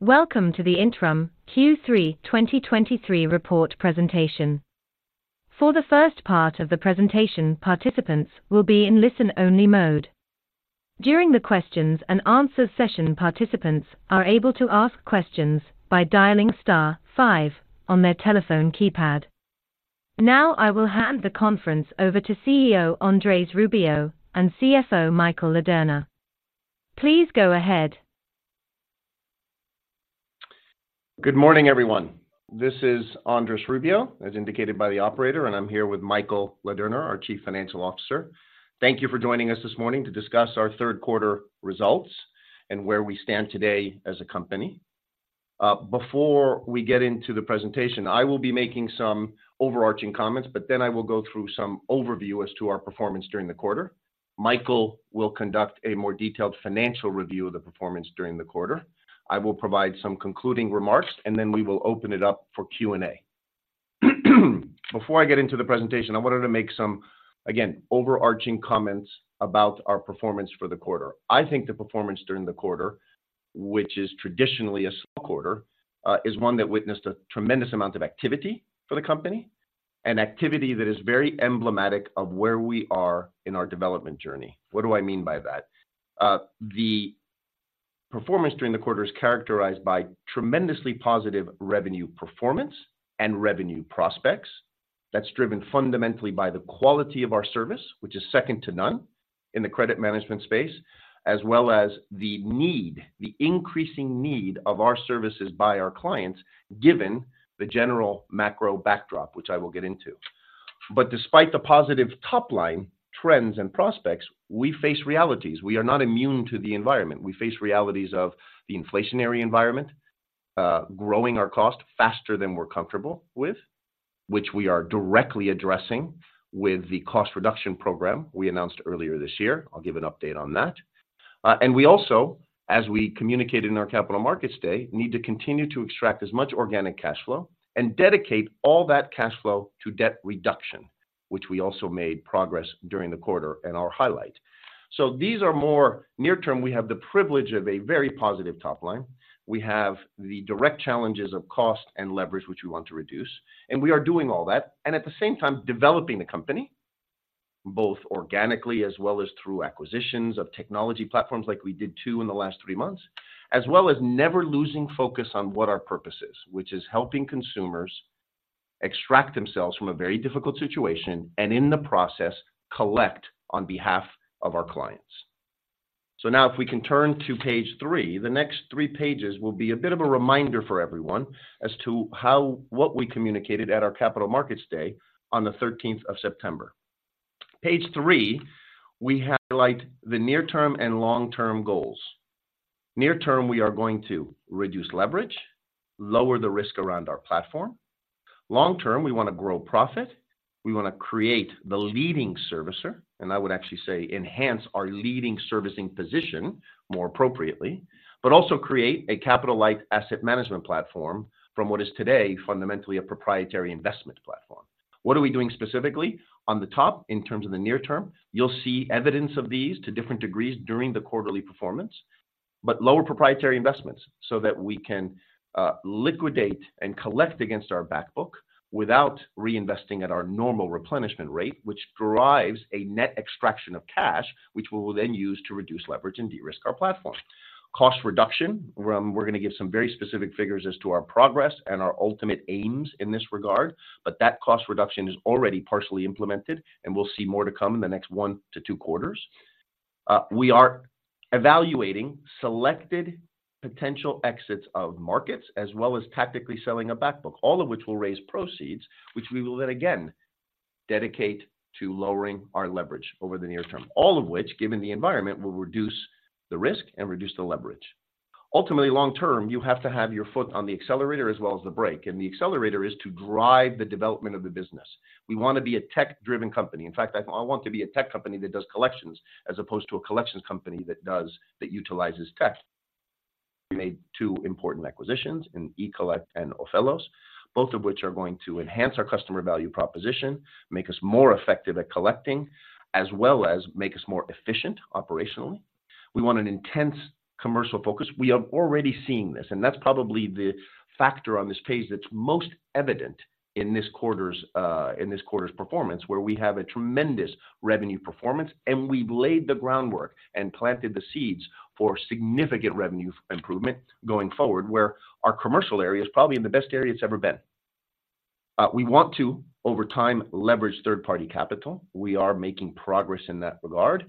Welcome to the Interim Q3 2023 report presentation. For the first part of the presentation, participants will be in listen-only mode. During the questions and answers session, participants are able to ask questions by dialing star five on their telephone keypad. Now, I will hand the conference over to CEO Andrés Rubio and CFO Michael Ladurner. Please go ahead. Good morning, everyone. This is Andrés Rubio, as indicated by the operator, and I'm here with Michael Ladurner, our Chief Financial Officer. Thank you for joining us this morning to discuss our third quarter results and where we stand today as a company. Before we get into the presentation, I will be making some overarching comments, but then I will go through some overview as to our performance during the quarter. Michael will conduct a more detailed financial review of the performance during the quarter. I will provide some concluding remarks, and then we will open it up for Q&A. Before I get into the presentation, I wanted to make some, again, overarching comments about our performance for the quarter. I think the performance during the quarter, which is traditionally a slow quarter, is one that witnessed a tremendous amount of activity for the company, and activity that is very emblematic of where we are in our development journey. What do I mean by that? The performance during the quarter is characterized by tremendously positive revenue performance and revenue prospects. That's driven fundamentally by the quality of our service, which is second to none in the credit management space, as well as the need, the increasing need of our services by our clients, given the general macro backdrop, which I will get into. But despite the positive top line trends and prospects, we face realities. We are not immune to the environment. We face realities of the inflationary environment, growing our cost faster than we're comfortable with, which we are directly addressing with the cost reduction program we announced earlier this year. I'll give an update on that. We also, as we communicated in our Capital Markets Day, need to continue to extract as much organic cashflow and dedicate all that cashflow to debt reduction, which we also made progress during the quarter and I'll highlight. These are more near-term. We have the privilege of a very positive top line. We have the direct challenges of cost and leverage, which we want to reduce, and we are doing all that, and at the same time, developing the company, both organically as well as through acquisitions of technology platforms like we did two in the last three months, as well as never losing focus on what our purpose is, which is helping consumers extract themselves from a very difficult situation, and in the process, collect on behalf of our clients. So now if we can turn to page 3, the next three pages will be a bit of a reminder for everyone as to how—what we communicated at our Capital Markets Day on the 13th of September. Page 3, we highlight the near-term and long-term goals. Near term, we are going to reduce leverage, lower the risk around our platform. Long term, we want to grow profit. We want to create the leading servicer, and I would actually say enhance our leading servicing position more appropriately, but also create a capital-light asset management platform from what is today fundamentally a proprietary investment platform. What are we doing specifically? On the top, in terms of the near term, you'll see evidence of these to different degrees during the quarterly performance, but lower proprietary investments so that we can liquidate and collect against our backbook without reinvesting at our normal replenishment rate, which drives a net extraction of cash, which we will then use to reduce leverage and de-risk our platform. Cost reduction, we're going to give some very specific figures as to our progress and our ultimate aims in this regard, but that cost reduction is already partially implemented and we'll see more to come in the next one to two quarters. We are evaluating selected potential exits of markets, as well as tactically selling a backbook, all of which will raise proceeds, which we will then again dedicate to lowering our leverage over the near term. All of which, given the environment, will reduce the risk and reduce the leverage. Ultimately, long term, you have to have your foot on the accelerator as well as the brake, and the accelerator is to drive the development of the business. We want to be a tech-driven company. In fact, I want to be a tech company that does collections as opposed to a collections company that does-- that utilizes tech. We made two important acquisitions in eCollect and Ophelos, both of which are going to enhance our customer value proposition, make us more effective at collecting, as well as make us more efficient operationally. We want an intense commercial focus. We are already seeing this, and that's probably the factor on this page that's most evident in this quarter's performance, where we have a tremendous revenue performance and we've laid the groundwork and planted the seeds for significant revenue improvement going forward, where our commercial area is probably in the best area it's ever been. We want to, over time, leverage third-party capital. We are making progress in that regard,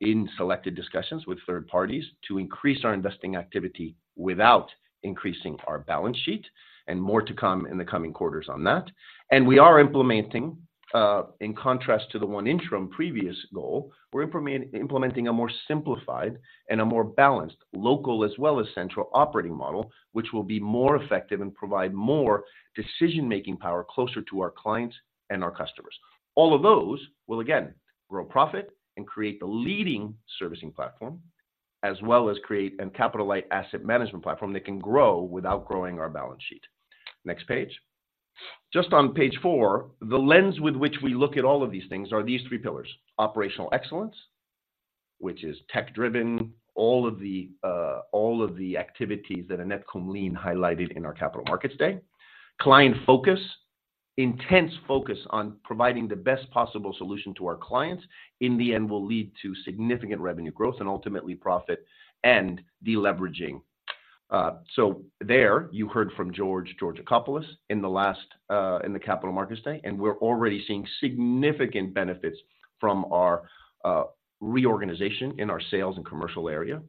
in selected discussions with third parties to increase our investing activity without increasing our balance sheet, and more to come in the coming quarters on that. And we are implementing, in contrast to the one interim previous goal, we're implementing a more simplified and a more balanced local as well as central operating model, which will be more effective and provide more decision-making power closer to our clients and our customers. All of those will again grow profit and create the leading servicing platform, as well as create a capital-light asset management platform that can grow without growing our balance sheet. Next page. Just on page four, the lens with which we look at all of these things are these three pillars: operational excellence, which is tech-driven, all of the activities that Annette Kumlien highlighted in our Capital Markets Day. Client focus, intense focus on providing the best possible solution to our clients, in the end, will lead to significant revenue growth and ultimately profit and deleveraging. So there you heard from George Georgakopoulos in the last Capital Markets Day, and we're already seeing significant benefits from our reorganization in our sales and commercial area.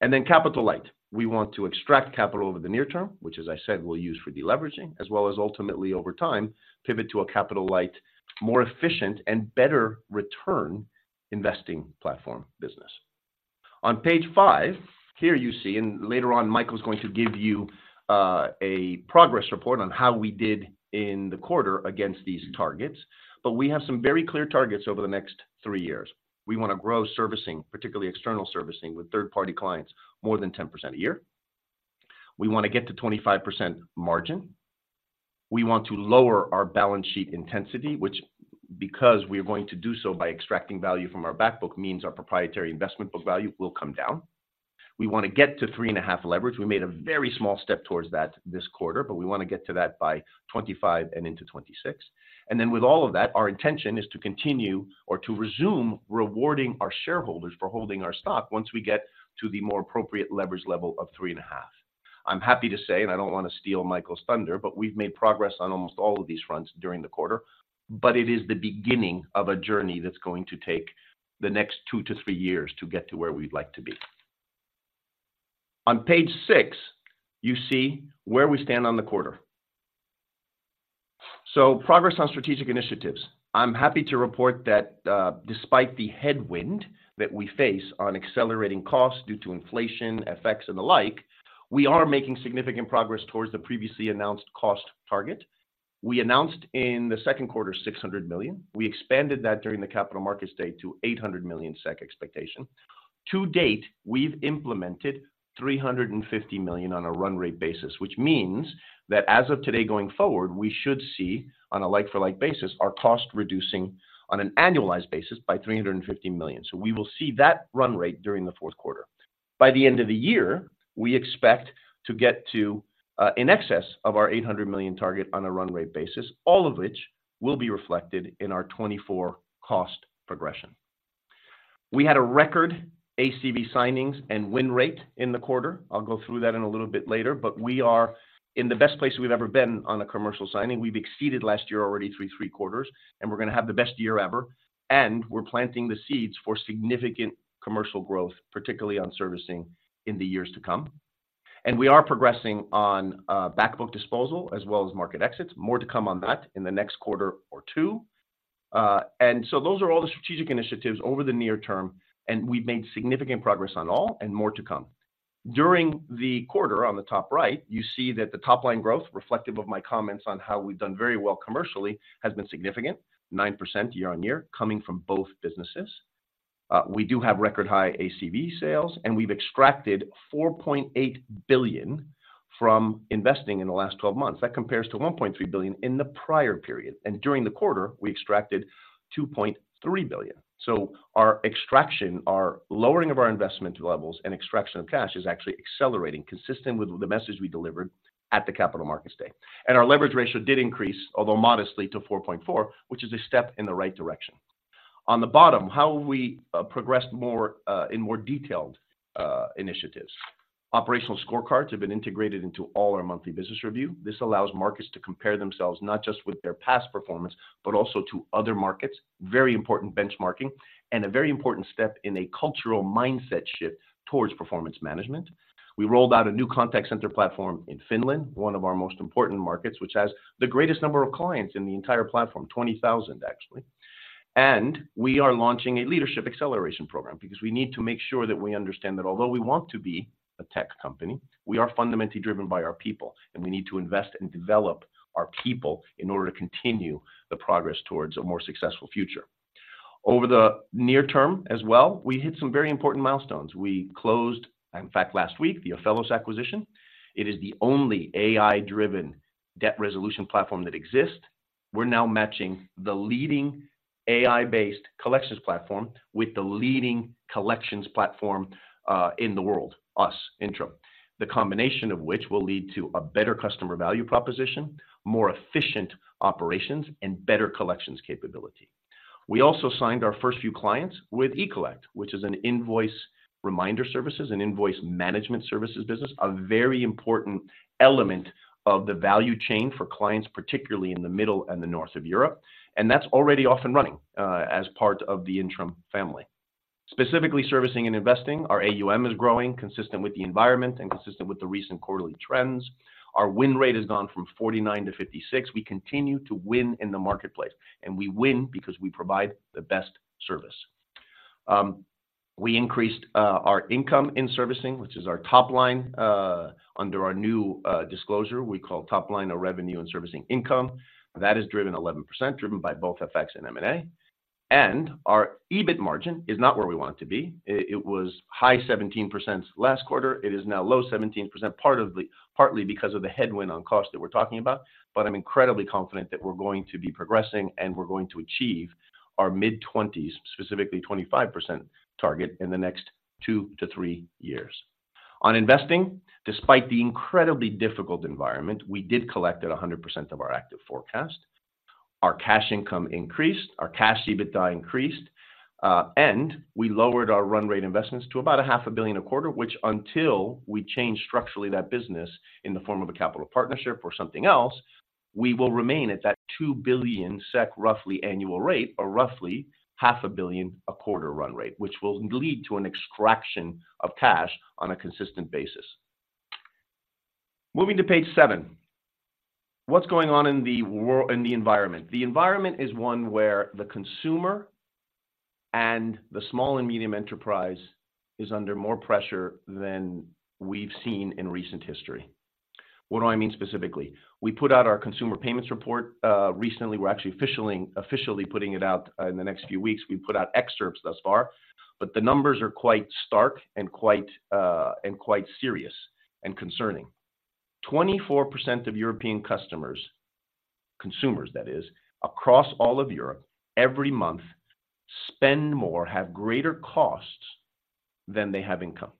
And then capital light. We want to extract capital over the near term, which, as I said, we'll use for deleveraging, as well as ultimately, over time, pivot to a capital light, more efficient and better return investing platform business. On page five, here you see, and later on, Michael is going to give you a progress report on how we did in the quarter against these targets. But we have some very clear targets over the next three years. We want to grow servicing, particularly external servicing, with third-party clients more than 10% a year. We want to get to 25% margin. We want to lower our balance sheet intensity, which because we are going to do so by extracting value from our back book, means our proprietary investment book value will come down. We want to get to 3.5 leverage. We made a very small step towards that this quarter, but we want to get to that by 2025 and into 2026. Then with all of that, our intention is to continue or to resume rewarding our shareholders for holding our stock once we get to the more appropriate leverage level of 3.5x. I'm happy to say, and I don't want to steal Michael's thunder, but we've made progress on almost all of these fronts during the quarter. But it is the beginning of a journey that's going to take the next two to three years to get to where we'd like to be. On page six, you see where we stand on the quarter. So progress on strategic initiatives. I'm happy to report that, despite the headwind that we face on accelerating costs due to inflation effects and the like, we are making significant progress towards the previously announced cost target. We announced in the second quarter 600 million. We expanded that during the Capital Markets Day to 800 million SEK expectation. To date, we've implemented 350 million on a run rate basis, which means that as of today, going forward, we should see, on a like-for-like basis, our cost reducing on an annualized basis by 350 million. So we will see that run rate during the fourth quarter. By the end of the year, we expect to get to, in excess of our 800 million target on a run rate basis, all of which will be reflected in our 2024 cost progression. We had a record ACV signings and win rate in the quarter. I'll go through that in a little bit later, but we are in the best place we've ever been on a commercial signing. We've exceeded last year already through three quarters, and we're going to have the best year ever, and we're planting the seeds for significant commercial growth, particularly on servicing in the years to come. We are progressing on back book disposal as well as market exits. More to come on that in the next quarter or two. Those are all the strategic initiatives over the near term, and we've made significant progress on all and more to come. During the quarter, on the top right, you see that the top line growth, reflective of my comments on how we've done very well commercially, has been significant, 9% year-on-year, coming from both businesses. We do have record-high ACV sales, and we've extracted 4.8 billion from investing in the last 12 months. That compares to 1.3 billion in the prior period. And during the quarter, we extracted 2.3 billion. So our extraction, our lowering of our investment levels and extraction of cash, is actually accelerating, consistent with the message we delivered at the Capital Markets Day. And our leverage ratio did increase, although modestly, to 4.4, which is a step in the right direction. On the bottom, how have we progressed more in more detailed initiatives? Operational scorecards have been integrated into all our monthly business review. This allows markets to compare themselves not just with their past performance, but also to other markets. Very important benchmarking and a very important step in a cultural mindset shift towards performance management. We rolled out a new contact center platform in Finland, one of our most important markets, which has the greatest number of clients in the entire platform, 20,000, actually. We are launching a leadership acceleration program because we need to make sure that we understand that although we want to be a tech company, we are fundamentally driven by our people, and we need to invest and develop our people in order to continue the progress towards a more successful future. Over the near term as well, we hit some very important milestones. We closed, in fact, last week, the Ophelos acquisition. It is the only AI-driven debt resolution platform that exists. We're now matching the leading AI-based collections platform with the leading collections platform in the world, us, Intrum. The combination of which will lead to a better customer value proposition, more efficient operations, and better collections capability. We also signed our first few clients with eCollect, which is an invoice reminder services and invoice management services business, a very important element of the value chain for clients, particularly in the middle and the north of Europe, and that's already off and running as part of the Intrum family. Specifically, servicing and investing. Our AUM is growing consistent with the environment and consistent with the recent quarterly trends. Our win rate has gone from 49-56. We continue to win in the marketplace, and we win because we provide the best service. We increased our income in servicing, which is our top line. Under our new disclosure, we call top line our revenue and servicing income. That is driven 11%, driven by both FX and M&A. Our EBIT margin is not where we want it to be. It was high 17% last quarter, it is now low 17%, partly because of the headwind on cost that we're talking about. But I'm incredibly confident that we're going to be progressing, and we're going to achieve our mid-20s, specifically 25% target, in the next two to three years. On investing, despite the incredibly difficult environment, we did collect at 100% of our active forecast. Our cash income increased, our cash EBITDA increased, and we lowered our run rate investments to about 500 million a quarter, which until we change structurally that business in the form of a capital partnership or something else, we will remain at that 2 billion SEK, roughly annual rate, or roughly 500 million a quarter run rate, which will lead to an extraction of cash on a consistent basis. Moving to page seven. What's going on in the environment? The environment is one where the consumer and the small and medium enterprise is under more pressure than we've seen in recent history. What do I mean specifically? We put out our consumer payments report recently. We're actually, officially, officially putting it out in the next few weeks. We put out excerpts thus far, but the numbers are quite stark and quite and quite serious and concerning. 24% of European customers, consumers that is, across all of Europe, every month, spend more, have greater costs than they have income.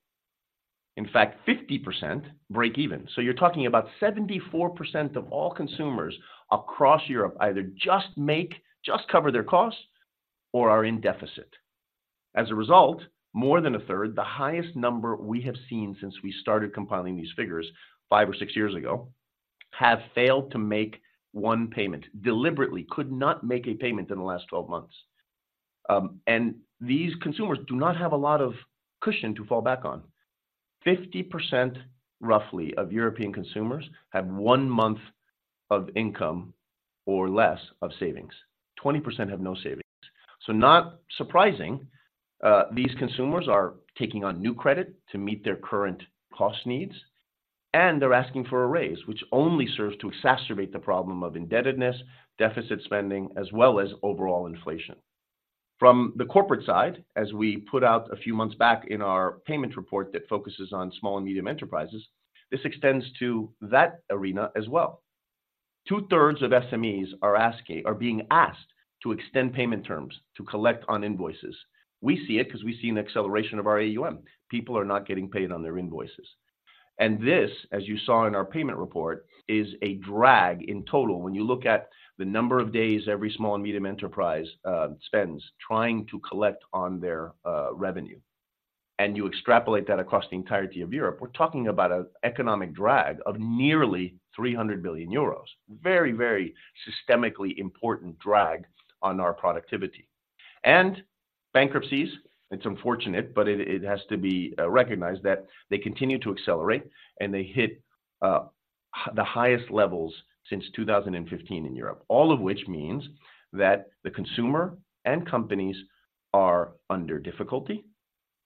In fact, 50% break even. So you're talking about 74% of all consumers across Europe, either just make- just cover their costs or are in deficit. As a result, more than a third, the highest number we have seen since we started compiling these figures five or six years ago, have failed to make one payment. Deliberately, could not make a payment in the last 12 months. And these consumers do not have a lot of cushion to fall back on. 50%, roughly, of European consumers have one month of income or less of savings. 20% have no savings. So not surprising, these consumers are taking on new credit to meet their current cost needs, and they're asking for a raise, which only serves to exacerbate the problem of indebtedness, deficit spending, as well as overall inflation. From the corporate side, as we put out a few months back in our payment report that focuses on small and medium enterprises, this extends to that arena as well. Two-thirds of SMEs are being asked to extend payment terms to collect on invoices. We see it because we see an acceleration of our AUM. People are not getting paid on their invoices. And this, as you saw in our payment report, is a drag in total. When you look at the number of days every small and medium enterprise spends trying to collect on their revenue, and you extrapolate that across the entirety of Europe, we're talking about an economic drag of nearly 300 billion euros. Very, very systemically important drag on our productivity. And bankruptcies, it's unfortunate, but it has to be recognized that they continue to accelerate, and they hit the highest levels since 2015 in Europe. All of which means that the consumer and companies are under difficulty,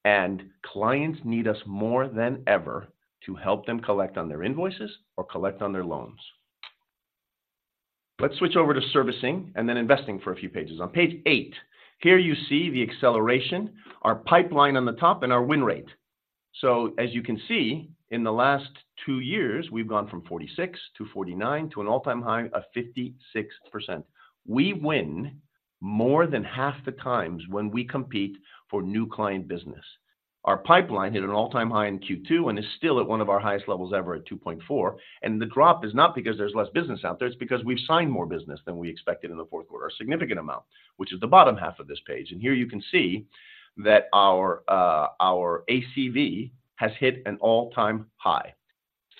and clients need us more than ever to help them collect on their invoices or collect on their loans. Let's switch over to servicing and then investing for a few pages. On page 8, here you see the acceleration, our pipeline on the top, and our win rate. So as you can see, in the last two years, we've gone from 46 to 49 to an all-time high of 56%. We win more than half the times when we compete for new client business. Our pipeline hit an all-time high in Q2 and is still at one of our highest levels ever at 2.4. And the drop is not because there's less business out there, it's because we've signed more business than we expected in the fourth quarter, a significant amount, which is the bottom half of this page. And here you can see that our, our ACV has hit an all-time high.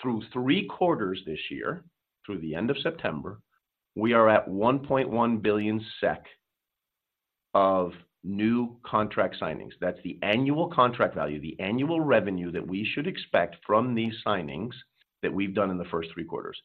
Through three quarters this year, through the end of September, we are at 1.1 billion SEK of new contract signings. That's the annual contract value, the annual revenue that we should expect from these signings that we've done in the first three quarters.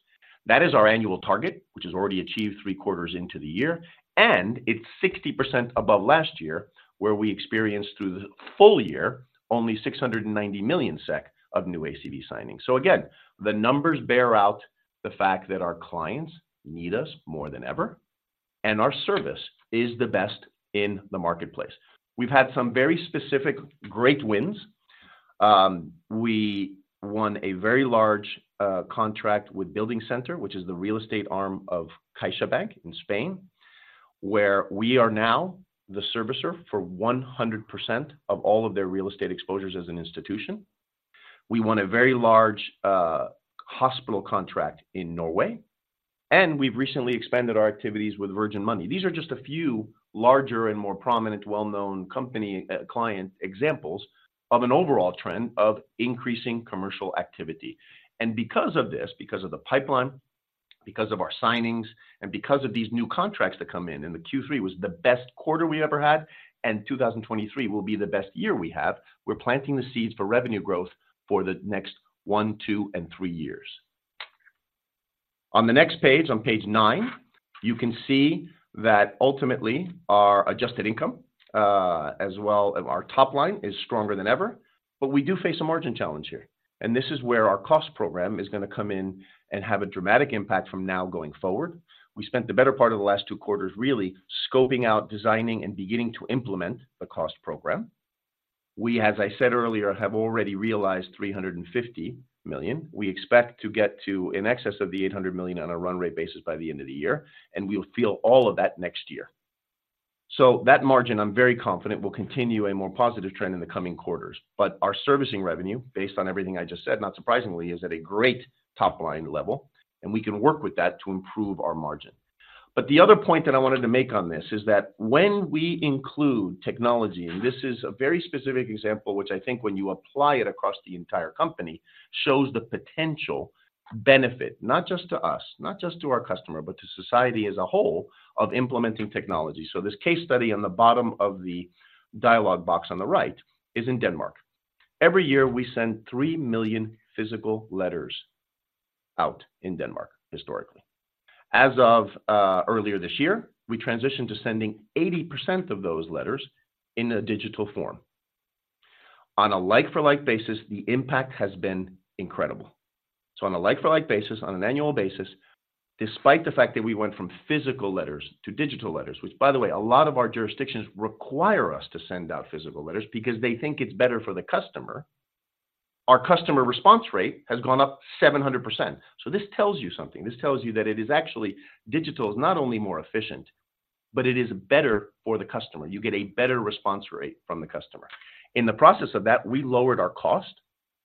That is our annual target, which is already achieved three quarters into the year, and it's 60% above last year, where we experienced through the full year, only 690 million SEK of new ACV signings. So again, the numbers bear out the fact that our clients need us more than ever, and our service is the best in the marketplace. We've had some very specific great wins. We won a very large contract with BuildingCenter, which is the real estate arm of CaixaBank in Spain, where we are now the servicer for 100% of all of their real estate exposures as an institution. We won a very large hospital contract in Norway, and we've recently expanded our activities with Virgin Money. These are just a few larger and more prominent, well-known company client examples of an overall trend of increasing commercial activity. And because of this, because of the pipeline, because of our signings, and because of these new contracts that come in, and the Q3 was the best quarter we ever had, and 2023 will be the best year we have, we're planting the seeds for revenue growth for the next one, two, and three years. On the next page, on page 9, you can see that ultimately, our adjusted income-... As well, our top line is stronger than ever, but we do face a margin challenge here, and this is where our cost program is going to come in and have a dramatic impact from now going forward. We spent the better part of the last two quarters really scoping out, designing, and beginning to implement the cost program. We, as I said earlier, have already realized 350 million. We expect to get to in excess of 800 million on a run rate basis by the end of the year, and we'll feel all of that next year. So that margin, I'm very confident, will continue a more positive trend in the coming quarters. But our servicing revenue, based on everything I just said, not surprisingly, is at a great top-line level, and we can work with that to improve our margin. But the other point that I wanted to make on this is that when we include technology, and this is a very specific example, which I think when you apply it across the entire company, shows the potential benefit, not just to us, not just to our customer, but to society as a whole, of implementing technology. So this case study on the bottom of the dialog box on the right is in Denmark. Every year, we send 3 million physical letters out in Denmark, historically. As of earlier this year, we transitioned to sending 80% of those letters in a digital form. On a like-for-like basis, the impact has been incredible. So on a like-for-like basis, on an annual basis, despite the fact that we went from physical letters to digital letters, which, by the way, a lot of our jurisdictions require us to send out physical letters because they think it's better for the customer. Our customer response rate has gone up 700%. So this tells you something. This tells you that it is actually, digital is not only more efficient, but it is better for the customer. You get a better response rate from the customer. In the process of that, we lowered our cost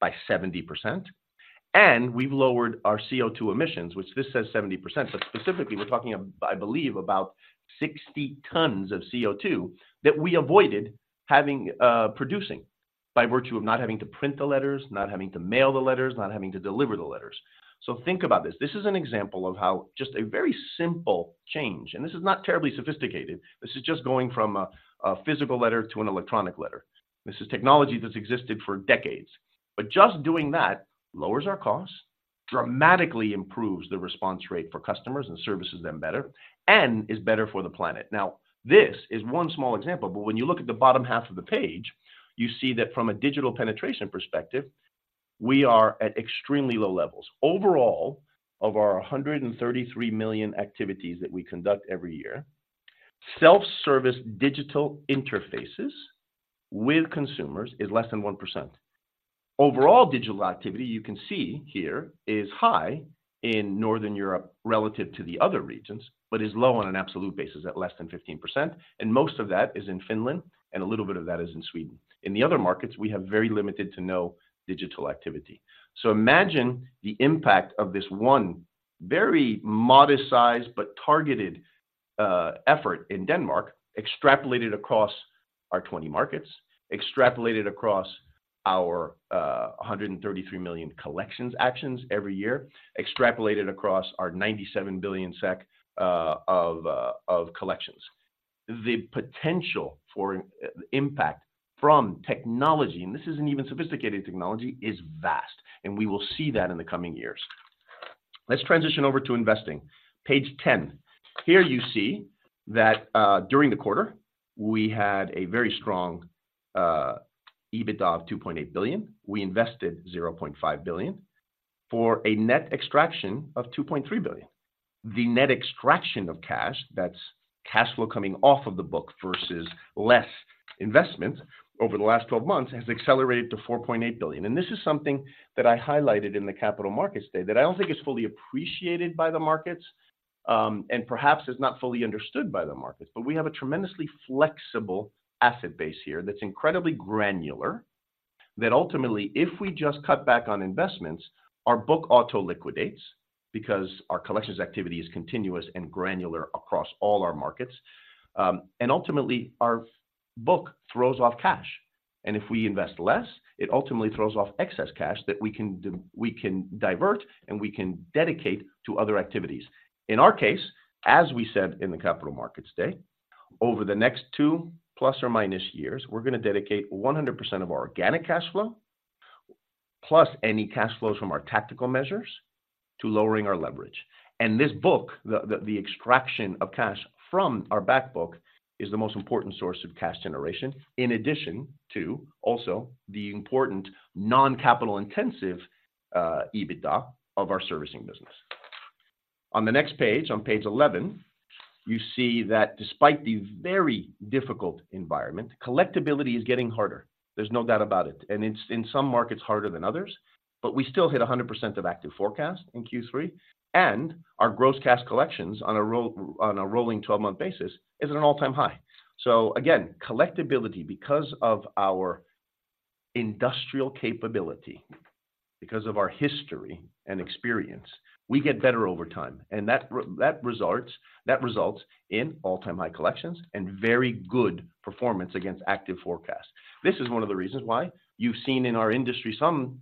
by 70%, and we've lowered our CO₂ emissions, which this says 70%, but specifically, we're talking, I believe, about 60 tons of CO₂ that we avoided having, producing by virtue of not having to print the letters, not having to mail the letters, not having to deliver the letters. So think about this. This is an example of how just a very simple change, and this is not terribly sophisticated. This is just going from a, a physical letter to an electronic letter. This is technology that's existed for decades. But just doing that lowers our costs, dramatically improves the response rate for customers and services them better, and is better for the planet. Now, this is one small example, but when you look at the bottom half of the page, you see that from a digital penetration perspective, we are at extremely low levels. Overall, of our 133 million activities that we conduct every year, self-service digital interfaces with consumers is less than 1%. Overall, digital activity, you can see here, is high in Northern Europe relative to the other regions, but is low on an absolute basis at less than 15%, and most of that is in Finland, and a little bit of that is in Sweden. In the other markets, we have very limited to no digital activity. So imagine the impact of this one very modest-sized, but targeted effort in Denmark, extrapolated across our 20 markets, extrapolated across our 133 million collections actions every year, extrapolated across our 97 billion SEK of collections. The potential for impact from technology, and this isn't even sophisticated technology, is vast, and we will see that in the coming years. Let's transition over to investing. Page 10. Here you see that during the quarter, we had a very strong EBITDA of 2.8 billion. We invested 0.5 billion for a net extraction of 2.3 billion. The net extraction of cash, that's cash flow coming off of the book versus less investment over the last 12 months, has accelerated to 4.8 billion. And this is something that I highlighted in the Capital Markets Day, that I don't think is fully appreciated by the markets, and perhaps is not fully understood by the markets. But we have a tremendously flexible asset base here that's incredibly granular, that ultimately, if we just cut back on investments, our book auto liquidates because our collections activity is continuous and granular across all our markets. And ultimately, our book throws off cash, and if we invest less, it ultimately throws off excess cash that we can divert, and we can dedicate to other activities. In our case, as we said in the Capital Markets Day, over the next two ± years, we're going to dedicate 100% of our organic cash flow, plus any cash flows from our tactical measures, to lowering our leverage. And this book, the extraction of cash from our back book, is the most important source of cash generation, in addition to also the important non-capital intensive EBITDA of our servicing business. On the next page, on page 11, you see that despite the very difficult environment, collectibility is getting harder. There's no doubt about it, and it's in some markets harder than others, but we still hit 100% of active forecast in Q3, and our gross cash collections on a rolling twelve-month basis is at an all-time high. So again, collectibility, because of our industrial capability, because of our history and experience, we get better over time, and that results in all-time high collections and very good performance against active forecasts. This is one of the reasons why you've seen in our industry some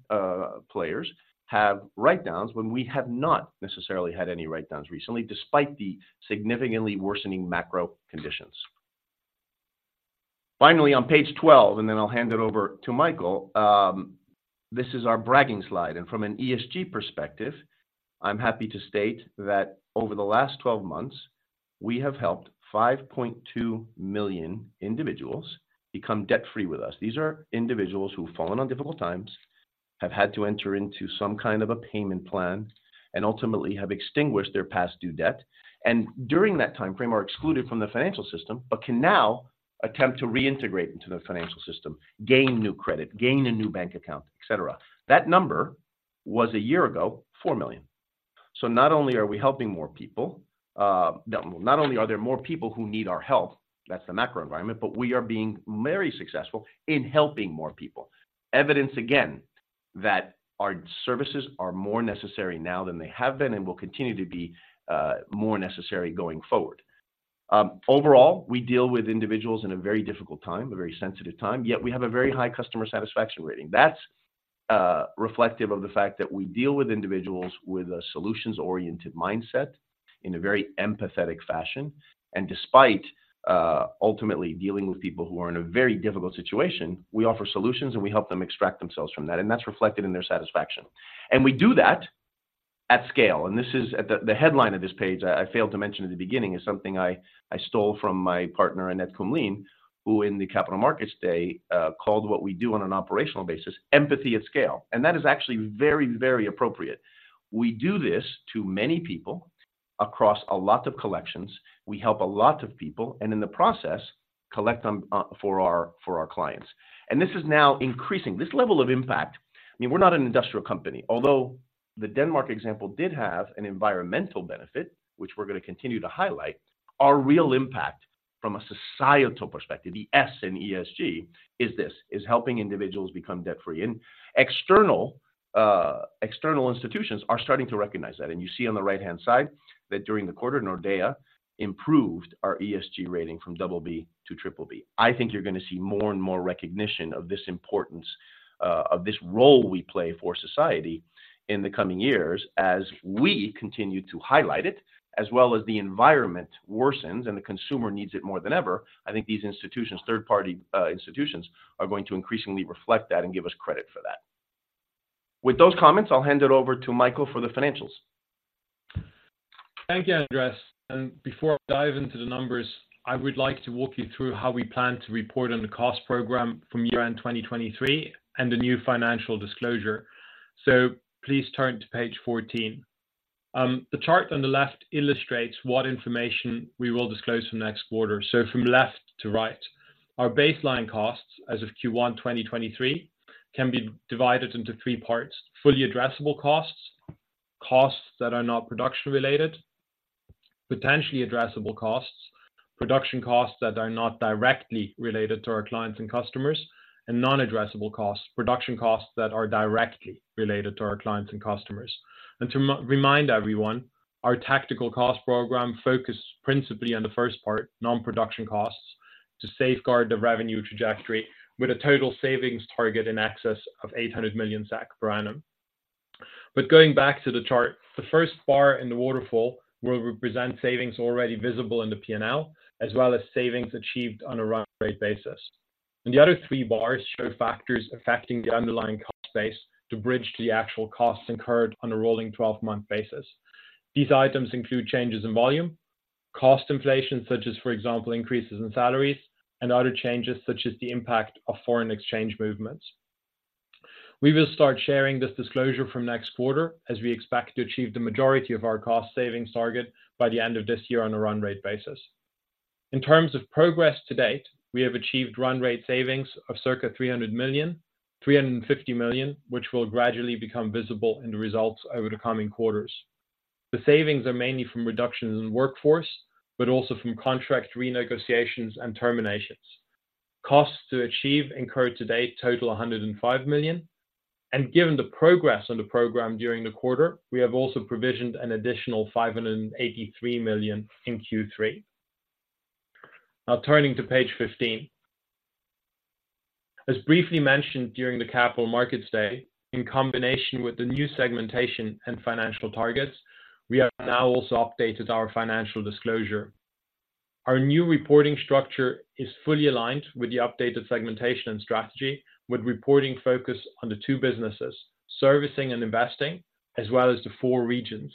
players have write-downs when we have not necessarily had any write-downs recently, despite the significantly worsening macro conditions. Finally, on page 12, and then I'll hand it over to Michael. This is our bragging slide, and from an ESG perspective, I'm happy to state that over the last twelve months, we have helped 5.2 million individuals become debt-free with us. These are individuals who've fallen on difficult times, have had to enter into some kind of a payment plan, and ultimately have extinguished their past due debt. During that time frame, are excluded from the financial system, but can now attempt to reintegrate into the financial system, gain new credit, gain a new bank account, et cetera. That number was a year ago, 4 million. So not only are we helping more people, no, not only are there more people who need our help, that's the macro environment, but we are being very successful in helping more people. Evidence again, that our services are more necessary now than they have been and will continue to be, more necessary going forward. Overall, we deal with individuals in a very difficult time, a very sensitive time, yet we have a very high customer satisfaction rating. That's reflective of the fact that we deal with individuals with a solutions-oriented mindset in a very empathetic fashion. Despite ultimately dealing with people who are in a very difficult situation, we offer solutions, and we help them extract themselves from that, and that's reflected in their satisfaction. We do that at scale. This is at the headline of this page. I failed to mention at the beginning is something I stole from my partner, Annette Kumlien, who in the Capital Markets Day called what we do on an operational basis, empathy at scale. That is actually very, very appropriate. We do this to many people across a lot of collections. We help a lot of people, and in the process, collect them for our clients. This is now increasing. This level of impact, I mean, we're not an industrial company, although the Denmark example did have an environmental benefit, which we're gonna continue to highlight. Our real impact from a societal perspective, the S in ESG, is this: helping individuals become debt-free. External institutions are starting to recognize that. You see on the right-hand side that during the quarter, Nordea improved our ESG rating from double B to triple B. I think you're gonna see more and more recognition of this importance of this role we play for society in the coming years as we continue to highlight it, as well as the environment worsens, and the consumer needs it more than ever. I think these institutions, third-party institutions, are going to increasingly reflect that and give us credit for that. With those comments, I'll hand it over to Michael for the financials. Thank you, Andrés. Before I dive into the numbers, I would like to walk you through how we plan to report on the cost program from year end 2023 and the new financial disclosure. So please turn to page 14. The chart on the left illustrates what information we will disclose from next quarter. So from left to right, our baseline costs as of Q1 2023, can be divided into three parts: fully addressable costs, costs that are not production-related, potentially addressable costs, production costs that are not directly related to our clients and customers, and non-addressable costs, production costs that are directly related to our clients and customers. And to remind everyone, our tactical cost program focus principally on the first part, non-production costs, to safeguard the revenue trajectory with a total savings target in excess of 800 million SEK per annum. Going back to the chart, the first bar in the waterfall will represent savings already visible in the P&L, as well as savings achieved on a run rate basis. The other three bars show factors affecting the underlying cost base to bridge the actual costs incurred on a rolling twelve-month basis. These items include changes in volume, cost inflation, such as, for example, increases in salaries, and other changes, such as the impact of foreign exchange movements. We will start sharing this disclosure from next quarter, as we expect to achieve the majority of our cost savings target by the end of this year on a run rate basis. In terms of progress to date, we have achieved run rate savings of circa 300 million-350 million, which will gradually become visible in the results over the coming quarters. The savings are mainly from reductions in workforce, but also from contract renegotiations and terminations. Costs to achieve incurred to date total 105 million, and given the progress on the program during the quarter, we have also provisioned an additional 583 million in Q3. Now, turning to page 15. As briefly mentioned during the Capital Markets Day, in combination with the new segmentation and financial targets, we have now also updated our financial disclosure. Our new reporting structure is fully aligned with the updated segmentation and strategy, with reporting focus on the two businesses, servicing and investing, as well as the four regions,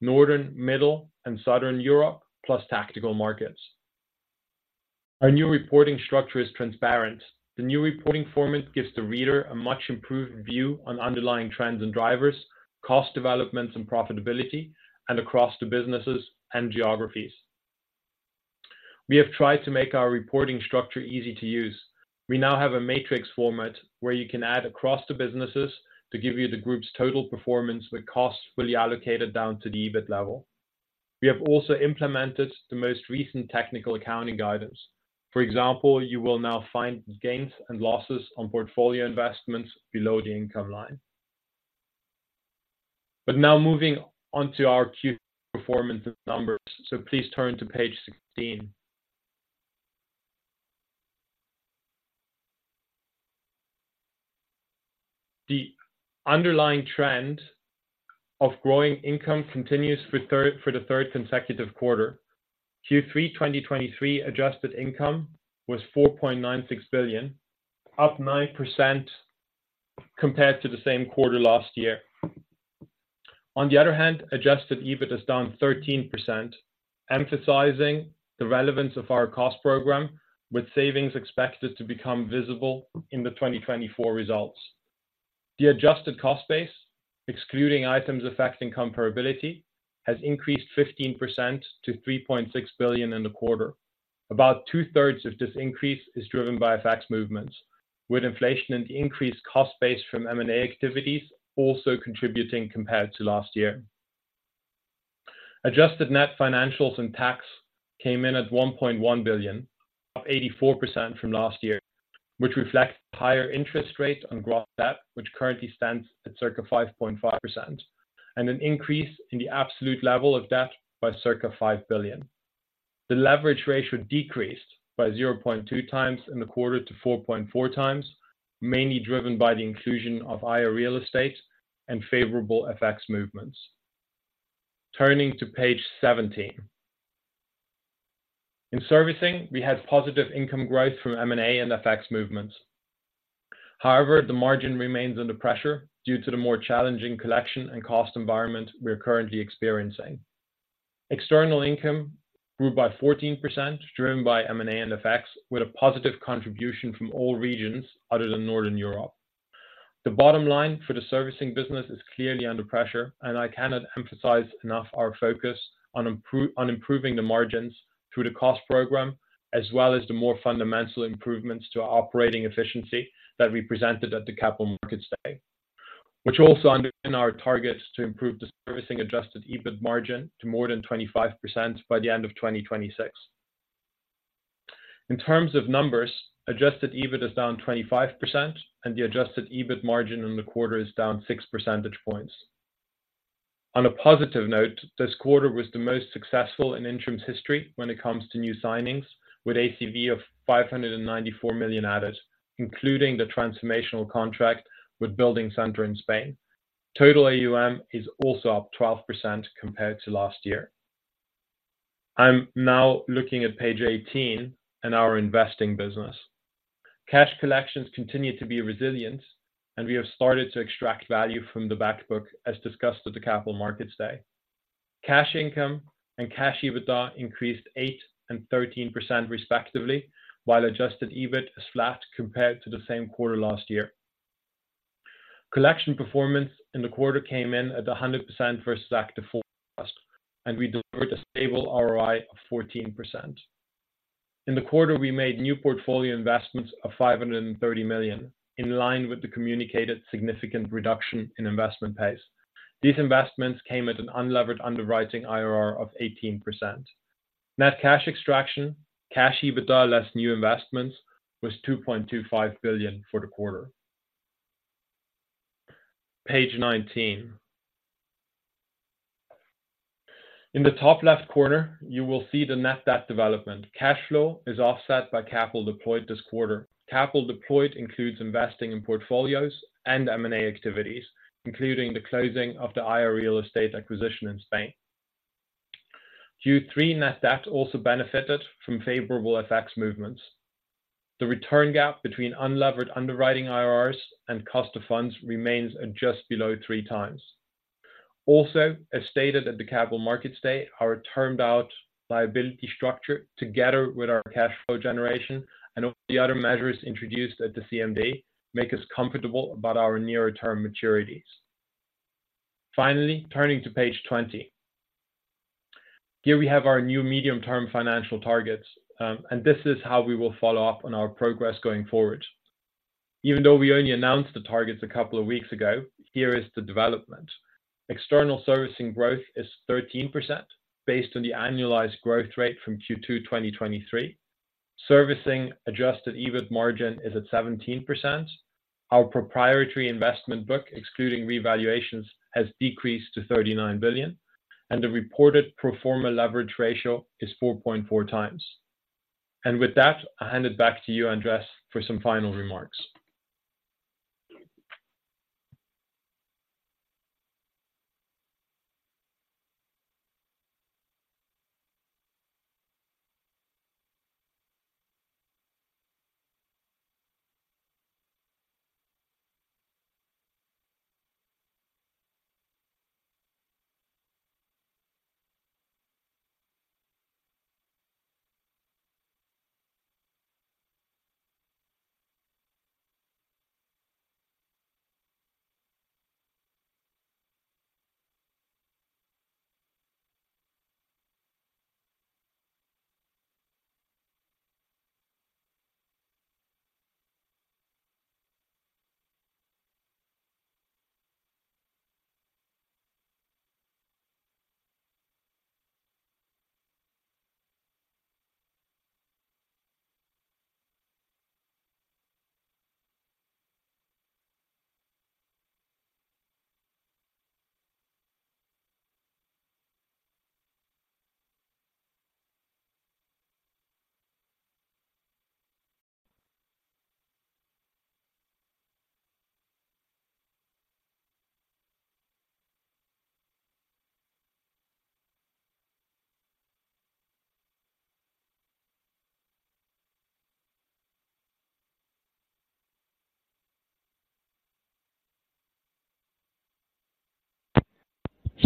Northern, Middle, and Southern Europe, plus tactical markets. Our new reporting structure is transparent. The new reporting format gives the reader a much improved view on underlying trends and drivers, cost developments and profitability, and across the businesses and geographies. We have tried to make our reporting structure easy to use. We now have a matrix format where you can add across the businesses to give you the group's total performance, with costs fully allocated down to the EBIT level. We have also implemented the most recent technical accounting guidance. For example, you will now find gains and losses on portfolio investments below the income line. But now moving on to our Q performance numbers. So please turn to page 16. The underlying trend of growing income continues for the third consecutive quarter. Q3 2023 adjusted income was 4.96 billion, up 9% compared to the same quarter last year. On the other hand, adjusted EBIT is down 13%, emphasizing the relevance of our cost program, with savings expected to become visible in the 2024 results. The adjusted cost base, excluding items affecting comparability, has increased 15% to 3.6 billion in the quarter. About two-thirds of this increase is driven by FX movements, with inflation and the increased cost base from M&A activities also contributing compared to last year. Adjusted net financials and tax came in at 1.1 billion, up 84% from last year, which reflects higher interest rates on gross debt, which currently stands at circa 5.5%, and an increase in the absolute level of debt by circa 5 billion. The leverage ratio decreased by 0.2x in the quarter to 4.4x, mainly driven by the inclusion of Haya Real Estate and favorable FX movements. Turning to page 17. In servicing, we had positive income growth from M&A and FX movements. However, the margin remains under pressure due to the more challenging collection and cost environment we are currently experiencing. External income grew by 14%, driven by M&A and FX, with a positive contribution from all regions other than Northern Europe. The bottom line for the servicing business is clearly under pressure, and I cannot emphasize enough our focus on improving the margins through the cost program, as well as the more fundamental improvements to our operating efficiency that we presented at the Capital Markets Day, which also underline our targets to improve the servicing adjusted EBIT margin to more than 25% by the end of 2026. In terms of numbers, adjusted EBIT is down 25%, and the adjusted EBIT margin in the quarter is down 6 percentage points. On a positive note, this quarter was the most successful in Intrum's history when it comes to new signings, with ACV of 594 million added, including the transformational contract with BuildingCenter in Spain. Total AUM is also up 12% compared to last year. I'm now looking at page 18 and our investing business. Cash collections continue to be resilient, and we have started to extract value from the back book, as discussed at the Capital Markets Day. Cash income and cash EBITDA increased 8% and 13%, respectively, while adjusted EBIT is flat compared to the same quarter last year. Collection performance in the quarter came in at 100% versus active forecast, and we delivered a stable ROI of 14%. In the quarter, we made new portfolio investments of 530 million, in line with the communicated significant reduction in investment pace. These investments came at an unlevered underwriting IRR of 18%. Net cash extraction, cash EBITDA less new investments, was 2.25 billion for the quarter. Page 19. In the top left corner, you will see the net debt development. Cash flow is offset by capital deployed this quarter. Capital deployed includes investing in portfolios and M&A activities, including the closing of the Haya Real Estate acquisition in Spain. Q3 net debt also benefited from favorable FX movements. The return gap between unlevered underwriting IRRs and cost of funds remains at just below 3x. Also, as stated at the Capital Markets Day, our termed out liability structure, together with our cash flow generation and all the other measures introduced at the CMD, make us comfortable about our near-term maturities. Finally, turning to page 20. Here we have our new medium-term financial targets, and this is how we will follow up on our progress going forward. Even though we only announced the targets a couple of weeks ago, here is the development. External servicing growth is 13% based on the annualized growth rate from Q2 2023. Servicing adjusted EBIT margin is at 17%. Our proprietary investment book, excluding revaluations, has decreased to 39 billion, and the reported pro forma leverage ratio is 4.4 times. And with that, I'll hand it back to you, Andrés, for some final remarks.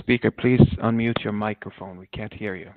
Speaker, please unmute your microphone. We can't hear you.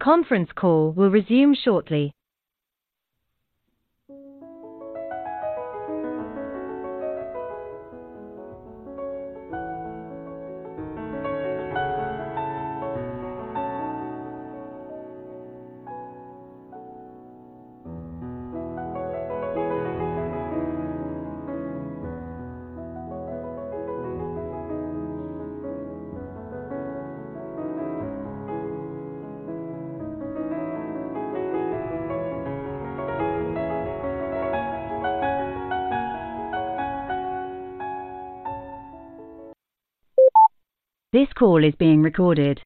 The conference call will resume shortly. This call is being recorded.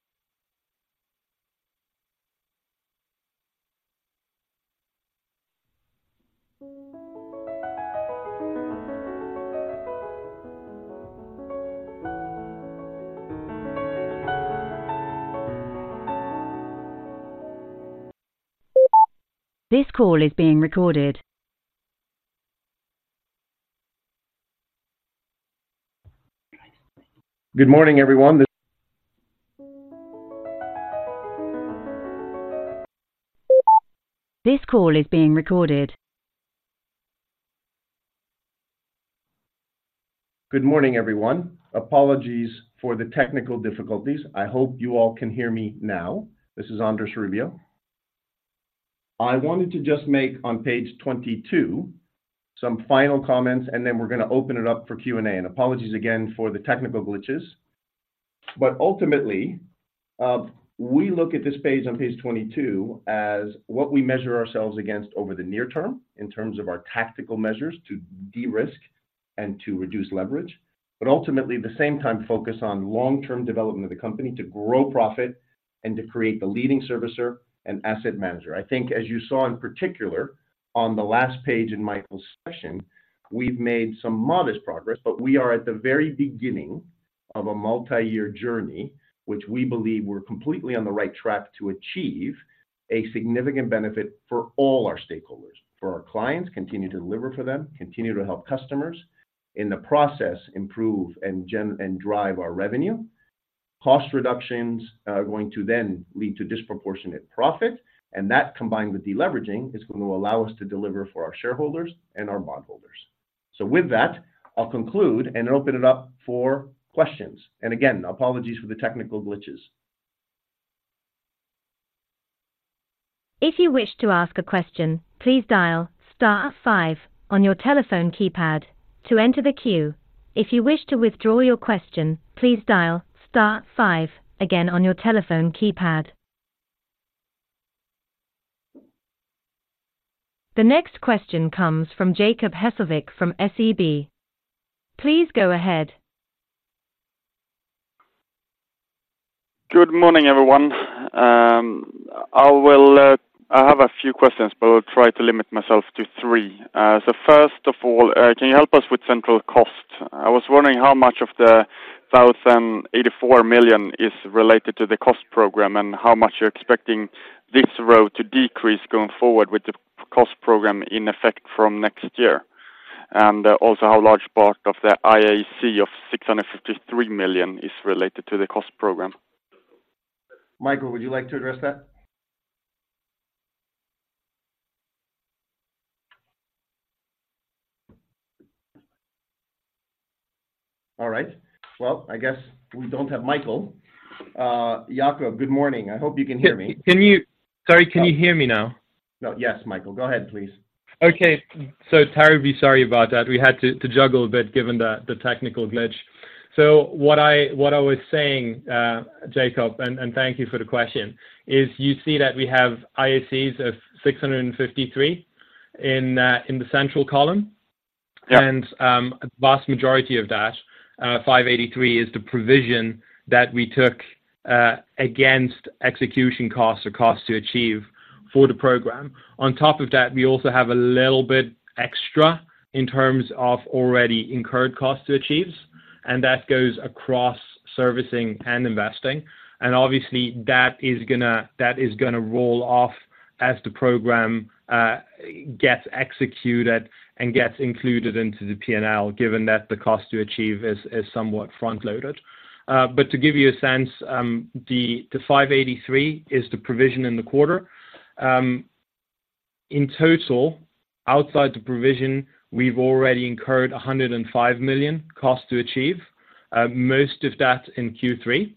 This call is being recorded. Good morning, everyone. This call is being recorded. Good morning, everyone. Apologies for the technical difficulties. I hope you all can hear me now. This is Andrés Rubio. I wanted to just make, on page 22, some final comments, and then we're gonna open it up for Q&A. And apologies again for the technical glitches. But ultimately, we look at this page, on page 22, as what we measure ourselves against over the near term in terms of our tactical measures to de-risk and to reduce leverage, but ultimately, at the same time, focus on long-term development of the company to grow profit and to create the leading servicer and asset manager. I think as you saw in particular on the last page in Michael's session, we've made some modest progress, but we are at the very beginning of a multi-year journey, which we believe we're completely on the right track to achieve a significant benefit for all our stakeholders. For our clients, continue to deliver for them, continue to help customers. In the process, improve and drive our revenue. Cost reductions are going to then lead to disproportionate profit, and that, combined with deleveraging, is going to allow us to deliver for our shareholders and our bondholders. So with that, I'll conclude and open it up for questions. And again, apologies for the technical glitches. If you wish to ask a question, please dial star five on your telephone keypad to enter the queue. If you wish to withdraw your question, please dial star five again on your telephone keypad. The next question comes from Jacob Hesslevik from SEB. Please go ahead. Good morning, everyone. I will, I have a few questions, but I'll try to limit myself to three. So first of all, can you help us with central cost? I was wondering how much of the 1,084 million is related to the cost program, and how much you're expecting this row to decrease going forward with the cost program in effect from next year. Also, how large part of the IAC of 653 million is related to the cost program? Michael, would you like to address that? All right. Well, I guess we don't have Michael. Jacob, good morning. I hope you can hear me. Sorry, can you hear me now? No. Yes, Michael. Go ahead, please. Okay. So terribly sorry about that. We had to juggle a bit given the technical glitch. So what I was saying, Jacob, and thank you for the question, is you see that we have IACs of 653 in the central column. Yeah. A vast majority of that, 583, is the provision that we took against execution costs or costs to achieve for the program. On top of that, we also have a little bit extra in terms of already incurred costs to achieve, and that goes across servicing and investing. Obviously, that is gonna roll off as the program gets executed and gets included into the P&L, given that the cost to achieve is somewhat front-loaded. But to give you a sense, the 583 is the provision in the quarter. In total, outside the provision, we've already incurred 105 million cost to achieve, most of that in Q3.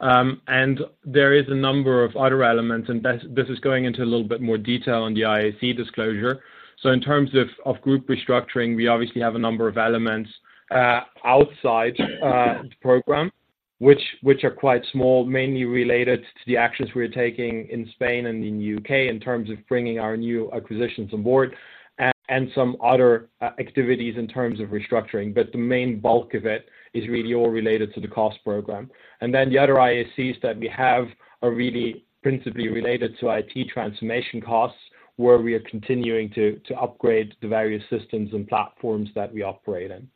And there is a number of other elements, and this is going into a little bit more detail on the IAC disclosure. So in terms of group restructuring, we obviously have a number of elements outside the program, which are quite small, mainly related to the actions we are taking in Spain and in UK in terms of bringing our new acquisitions on board, and some other activities in terms of restructuring. But the main bulk of it is really all related to the cost program. And then the other IACs that we have are really principally related to IT transformation costs, where we are continuing to upgrade the various systems and platforms that we operate in.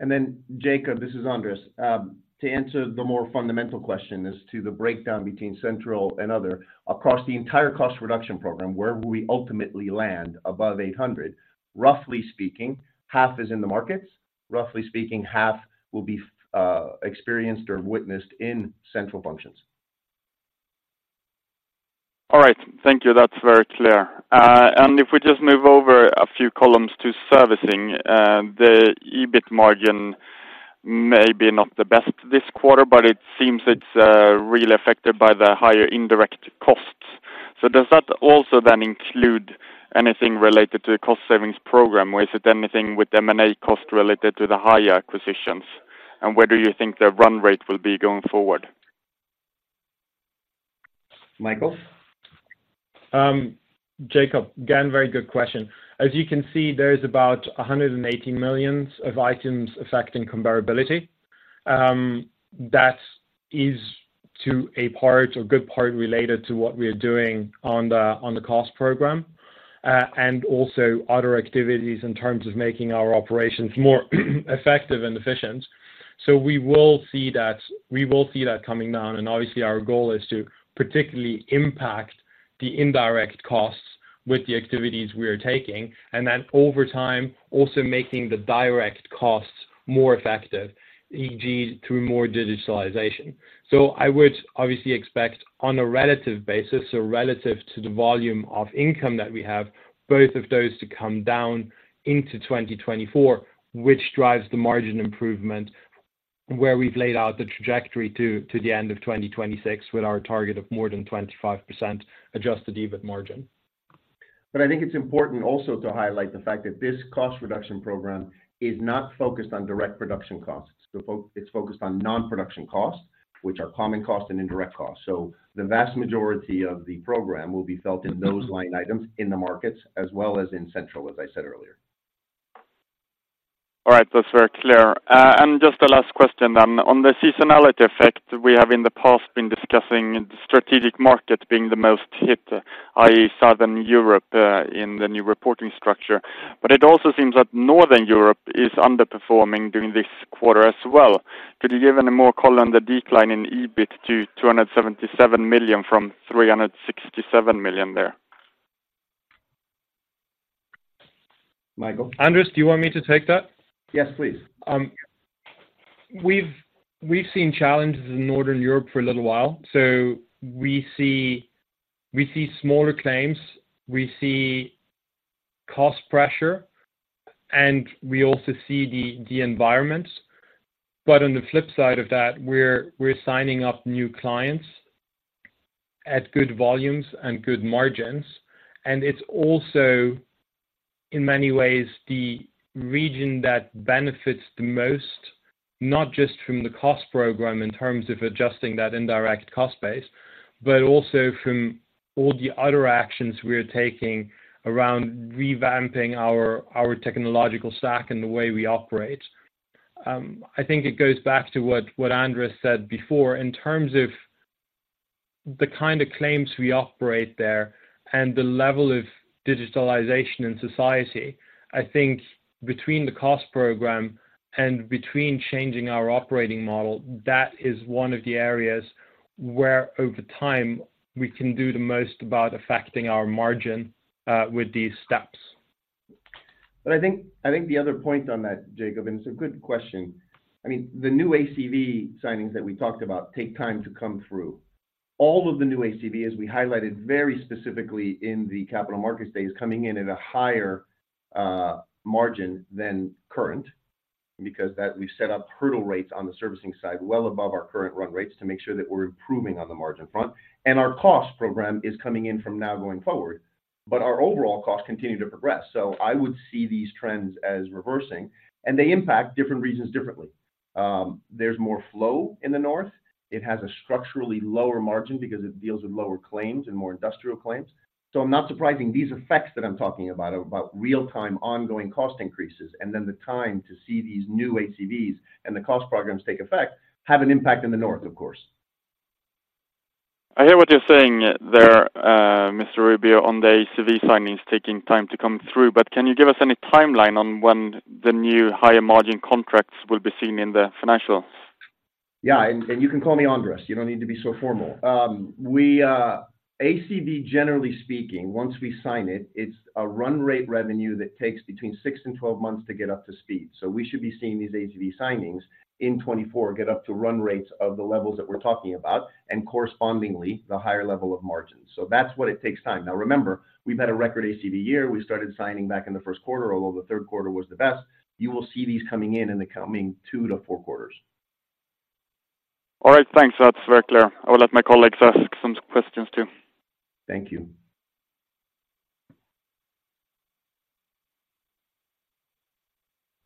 And then, Jacob, this is Andrés. To answer the more fundamental question as to the breakdown between central and other, across the entire cost reduction program, where will we ultimately land above 800? Roughly speaking, half is in the markets, roughly speaking, half will be experienced or witnessed in central functions. All right. Thank you. That's very clear. And if we just move over a few columns to servicing, the EBIT margin may be not the best this quarter, but it seems it's really affected by the higher indirect costs. So does that also then include anything related to the cost savings program, or is it anything with M&A cost related to the higher acquisitions? And where do you think the run rate will be going forward? Michael? Jacob, again, very good question. As you can see, there is about 180 million of items affecting comparability. That is to a part, a good part, related to what we are doing on the cost program, and also other activities in terms of making our operations more effective and efficient. We will see that coming down, and obviously, our goal is to particularly impact the indirect costs with the activities we are taking, and then over time, also making the direct costs more effective, e.g., through more digitalization. I would obviously expect on a relative basis, so relative to the volume of income that we have, both of those to come down into 2024, which drives the margin improvement, where we've laid out the trajectory to, to the end of 2026, with our target of more than 25% adjusted EBIT margin. I think it's important also to highlight the fact that this cost reduction program is not focused on direct production costs. It's focused on non-production costs, which are common costs and indirect costs. The vast majority of the program will be felt in those line items in the markets as well as in central, as I said earlier. All right. That's very clear. Just a last question then. On the seasonality effect, we have in the past been discussing the strategic market being the most hit, i.e., Southern Europe, in the new reporting structure. But it also seems that Northern Europe is underperforming during this quarter as well. Could you give any more color on the decline in EBIT to 277 million from 367 million there? Michael? Andrés, do you want me to take that? Yes, please. We've seen challenges in Northern Europe for a little while, so we see smaller claims, we see cost pressure, and we also see the environment. But on the flip side of that, we're signing up new clients at good volumes and good margins, and it's also, in many ways, the region that benefits the most, not just from the cost program in terms of adjusting that indirect cost base, but also from all the other actions we are taking around revamping our technological stack and the way we operate. I think it goes back to what Andrés said before. In terms of the kind of claims we operate there and the level of digitalization in society, I think between the cost program and between changing our operating model, that is one of the areas where over time, we can do the most about affecting our margin with these steps. But I think, I think the other point on that, Jacob, and it's a good question. I mean, the new ACV signings that we talked about take time to come through. All of the new ACV, as we highlighted very specifically in the Capital Markets Day, is coming in at a higher margin than current because we've set up hurdle rates on the servicing side well above our current run rates to make sure that we're improving on the margin front. And our cost program is coming in from now going forward, but our overall costs continue to progress. So I would see these trends as reversing, and they impact different regions differently. There's more flow in the North. It has a structurally lower margin because it deals with lower claims and more industrial claims. I'm not surprised by these effects that I'm talking about, about real-time, ongoing cost increases, and then the time to see these new ACVs and the cost programs take effect, have an impact in the North, of course. I hear what you're saying there, Mr. Rubio, on the ACV signings taking time to come through, but can you give us any timeline on when the new higher margin contracts will be seen in the financial?... Yeah, and you can call me Andrés. You don't need to be so formal. We, ACV, generally speaking, once we sign it, it's a run rate revenue that takes between 6-12 months to get up to speed. So we should be seeing these ACV signings in 2024, get up to run rates of the levels that we're talking about, and correspondingly, the higher level of margins. So that's what it takes time. Now, remember, we've had a record ACV year. We started signing back in the first quarter, although the third quarter was the best. You will see these coming in in the coming 2-4 quarters. All right, thanks. That's very clear. I will let my colleagues ask some questions, too. Thank you.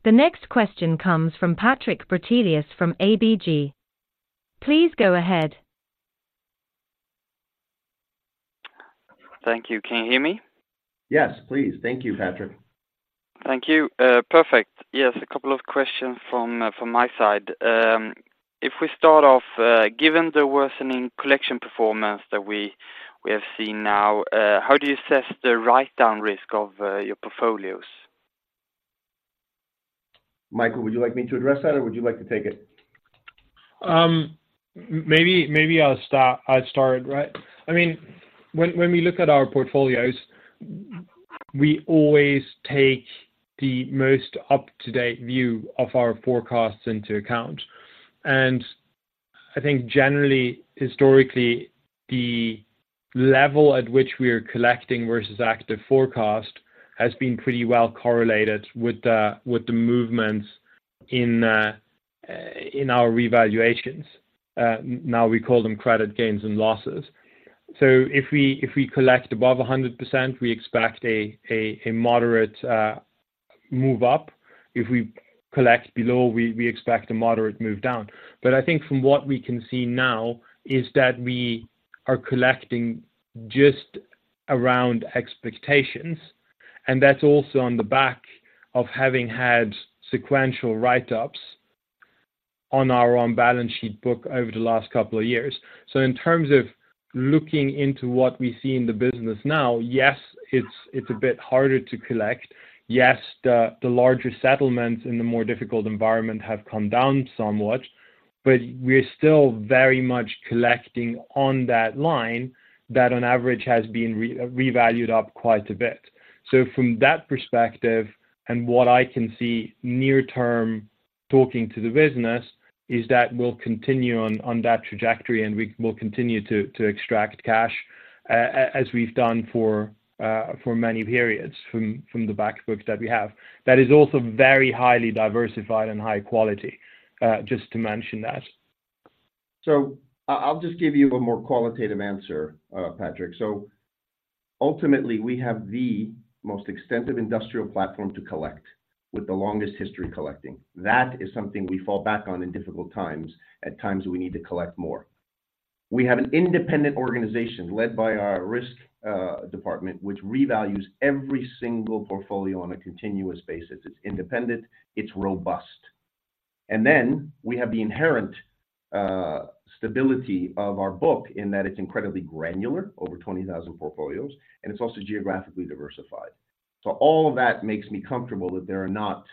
The next question comes from Patrik Brattelius from ABG. Please go ahead. Thank you. Can you hear me? Yes, please. Thank you, Patrick. Thank you. Perfect. Yes, a couple of questions from my side. If we start off, given the worsening collection performance that we have seen now, how do you assess the write-down risk of your portfolios? Michael, would you like me to address that, or would you like to take it? Maybe I'll start, right. I mean, when we look at our portfolios, we always take the most up-to-date view of our forecasts into account. And I think generally, historically, the level at which we are collecting versus active forecast has been pretty well correlated with the movements in our revaluations. Now we call them credit gains and losses. So if we collect above 100%, we expect a moderate move up. If we collect below, we expect a moderate move down. But I think from what we can see now is that we are collecting just around expectations, and that's also on the back of having had sequential write-ups on our on-balance sheet book over the last couple of years. So in terms of looking into what we see in the business now, yes, it's a bit harder to collect. Yes, the larger settlements in the more difficult environment have come down somewhat, but we're still very much collecting on that line that on average has been revalued up quite a bit. So from that perspective, and what I can see near term talking to the business, is that we'll continue on that trajectory and we will continue to extract cash as we've done for many periods from the back books that we have. That is also very highly diversified and high quality, just to mention that. So I, I'll just give you a more qualitative answer, Patrick. So ultimately, we have the most extensive industrial platform to collect with the longest history collecting. That is something we fall back on in difficult times, at times we need to collect more. We have an independent organization led by our risk department, which revalues every single portfolio on a continuous basis. It's independent, it's robust. And then we have the inherent stability of our book in that it's incredibly granular, over 20,000 portfolios, and it's also geographically diversified. So all of that makes me comfortable that there are not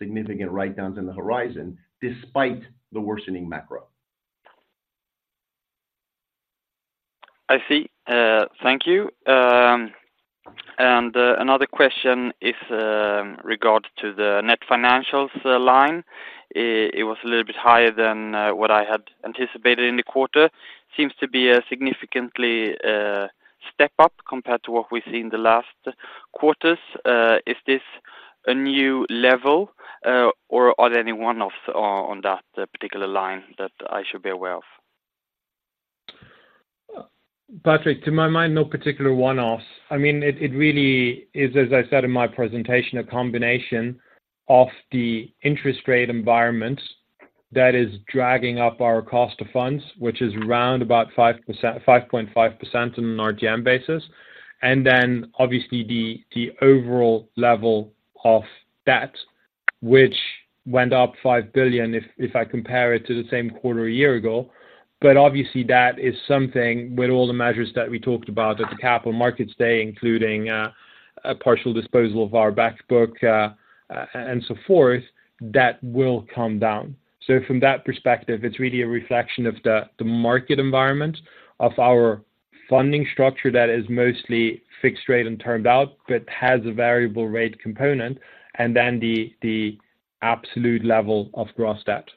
significant write-downs in the horizon despite the worsening macro. I see. Thank you. Another question is regards to the net financials line. It was a little bit higher than what I had anticipated in the quarter. Seems to be a significantly step up compared to what we've seen in the last quarters. Is this a new level or are there any one-offs on that particular line that I should be aware of? Patrick, to my mind, no particular one-offs. I mean, it really is, as I said in my presentation, a combination of the interest rate environment that is dragging up our cost of funds, which is around about 5%-5.5% on an RTM basis, and then obviously the overall level of debt, which went up 5 billion, if I compare it to the same quarter a year ago. But obviously that is something with all the measures that we talked about at the Capital Markets Day, including a partial disposal of our back book and so forth, that will come down. So from that perspective, it's really a reflection of the market environment, of our funding structure that is mostly fixed rate and termed out, but has a variable rate component, and then the absolute level of gross debt.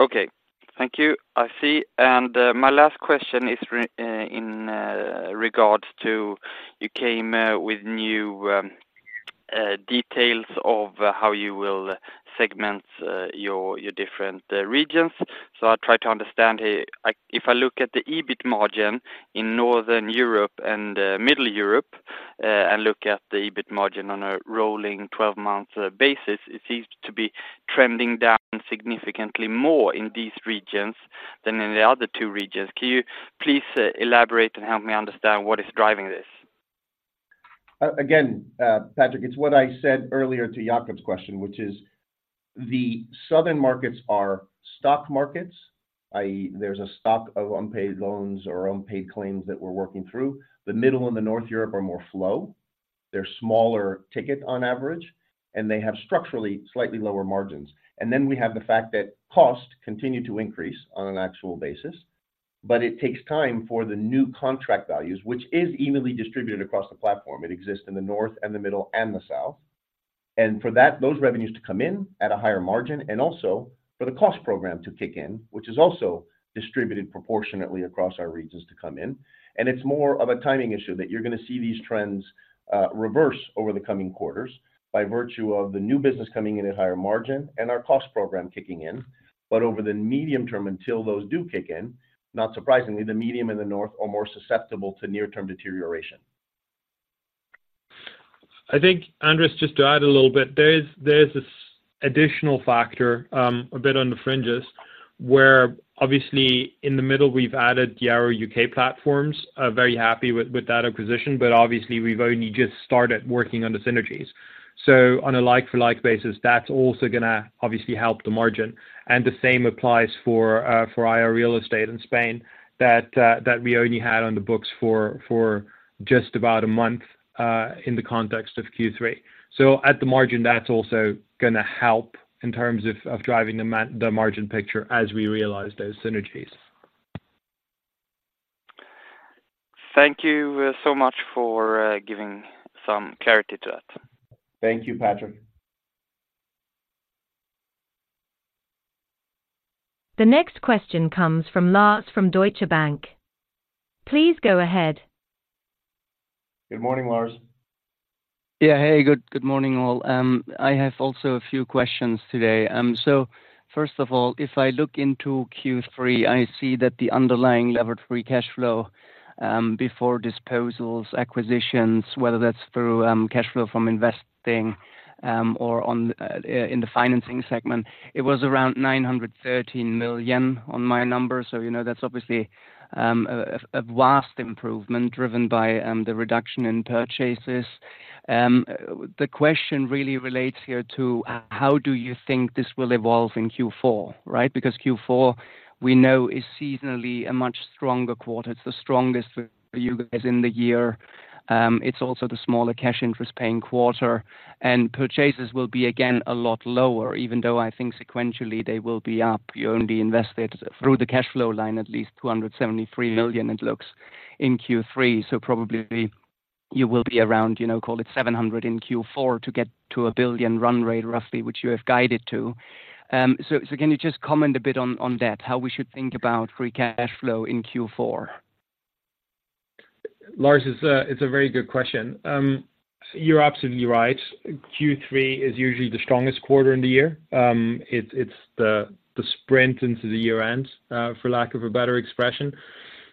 Okay. Thank you. I see. And my last question is regarding you came with new details of how you will segment your different regions. So I'll try to understand here. If I look at the EBIT margin in Northern Europe and Middle Europe and look at the EBIT margin on a rolling twelve-month basis, it seems to be trending down significantly more in these regions than in the other two regions. Can you please elaborate and help me understand what is driving this? Again, Patrick, it's what I said earlier to Jacob's question, which is the southern markets are stock markets, i.e., there's a stock of unpaid loans or unpaid claims that we're working through. The Middle and Northern Europe are more flow. They're smaller ticket on average, and they have structurally slightly lower margins. And then we have the fact that costs continue to increase on an actual basis, but it takes time for the new contract values, which is evenly distributed across the platform. It exists in the North, and the Middle, and the South. And for that, those revenues to come in at a higher margin and also for the cost program to kick in, which is also distributed proportionately across our regions to come in. It's more of a timing issue, that you're gonna see these trends reverse over the coming quarters by virtue of the new business coming in at higher margin and our cost program kicking in. But over the medium term, until those do kick in, not surprisingly, the Middle and the North are more susceptible to near-term deterioration. I think, Andrés, just to add a little bit, there is, there's this additional factor, a bit on the fringes, where obviously in the Middle Europe, we've added the Arrow UK platforms. Very happy with that acquisition, but obviously, we've only just started working on the synergies. So on a like-for-like basis, that's also gonna obviously help the margin. And the same applies for Haya Real Estate in Spain that we only had on the books for just about a month in the context of Q3. So at the margin, that's also gonna help in terms of driving the margin picture as we realize those synergies. Thank you, so much for giving some clarity to that. Thank you, Patrick. The next question comes from Lars from Deutsche Bank. Please go ahead. Good morning, Lars. Yeah. Hey, good, good morning, all. I have also a few questions today. So first of all, if I look into Q3, I see that the underlying levered free cash flow, before disposals, acquisitions, whether that's through, cash flow from investing, or on, in the financing segment, it was around 913 million on my number. So, you know, that's obviously, a vast improvement driven by, the reduction in purchases. The question really relates here to, how do you think this will evolve in Q4, right? Because Q4, we know, is seasonally a much stronger quarter. It's the strongest for you guys in the year. It's also the smaller cash interest paying quarter, and purchases will be again, a lot lower, even though I think sequentially they will be up. You only invested through the cash flow line, at least 273 million, it looks in Q3, so probably you will be around, you know, call it 700 million in Q4 to get to a 1 billion run rate, roughly, which you have guided to. So can you just comment a bit on that, how we should think about free cash flow in Q4? Lars, it's a very good question. You're absolutely right. Q3 is usually the strongest quarter in the year. It's the sprint into the year-end, for lack of a better expression.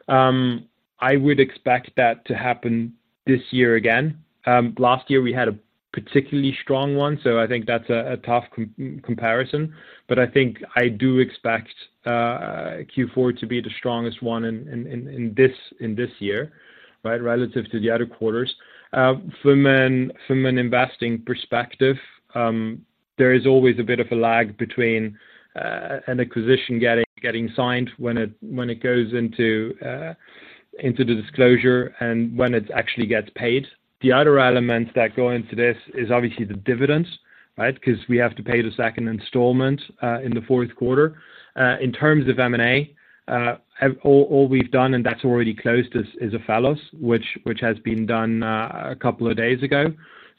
I would expect that to happen this year again. Last year we had a particularly strong one, so I think that's a tough comparison. But I think I do expect Q4 to be the strongest one in this year, right? Relative to the other quarters. From an investing perspective, there is always a bit of a lag between an acquisition getting signed, when it goes into the disclosure and when it actually gets paid. The other elements that go into this is obviously the dividends, right? Because we have to pay the second installment in the fourth quarter. In terms of M&A, all we've done, and that's already closed, is Ophelos, which has been done a couple of days ago.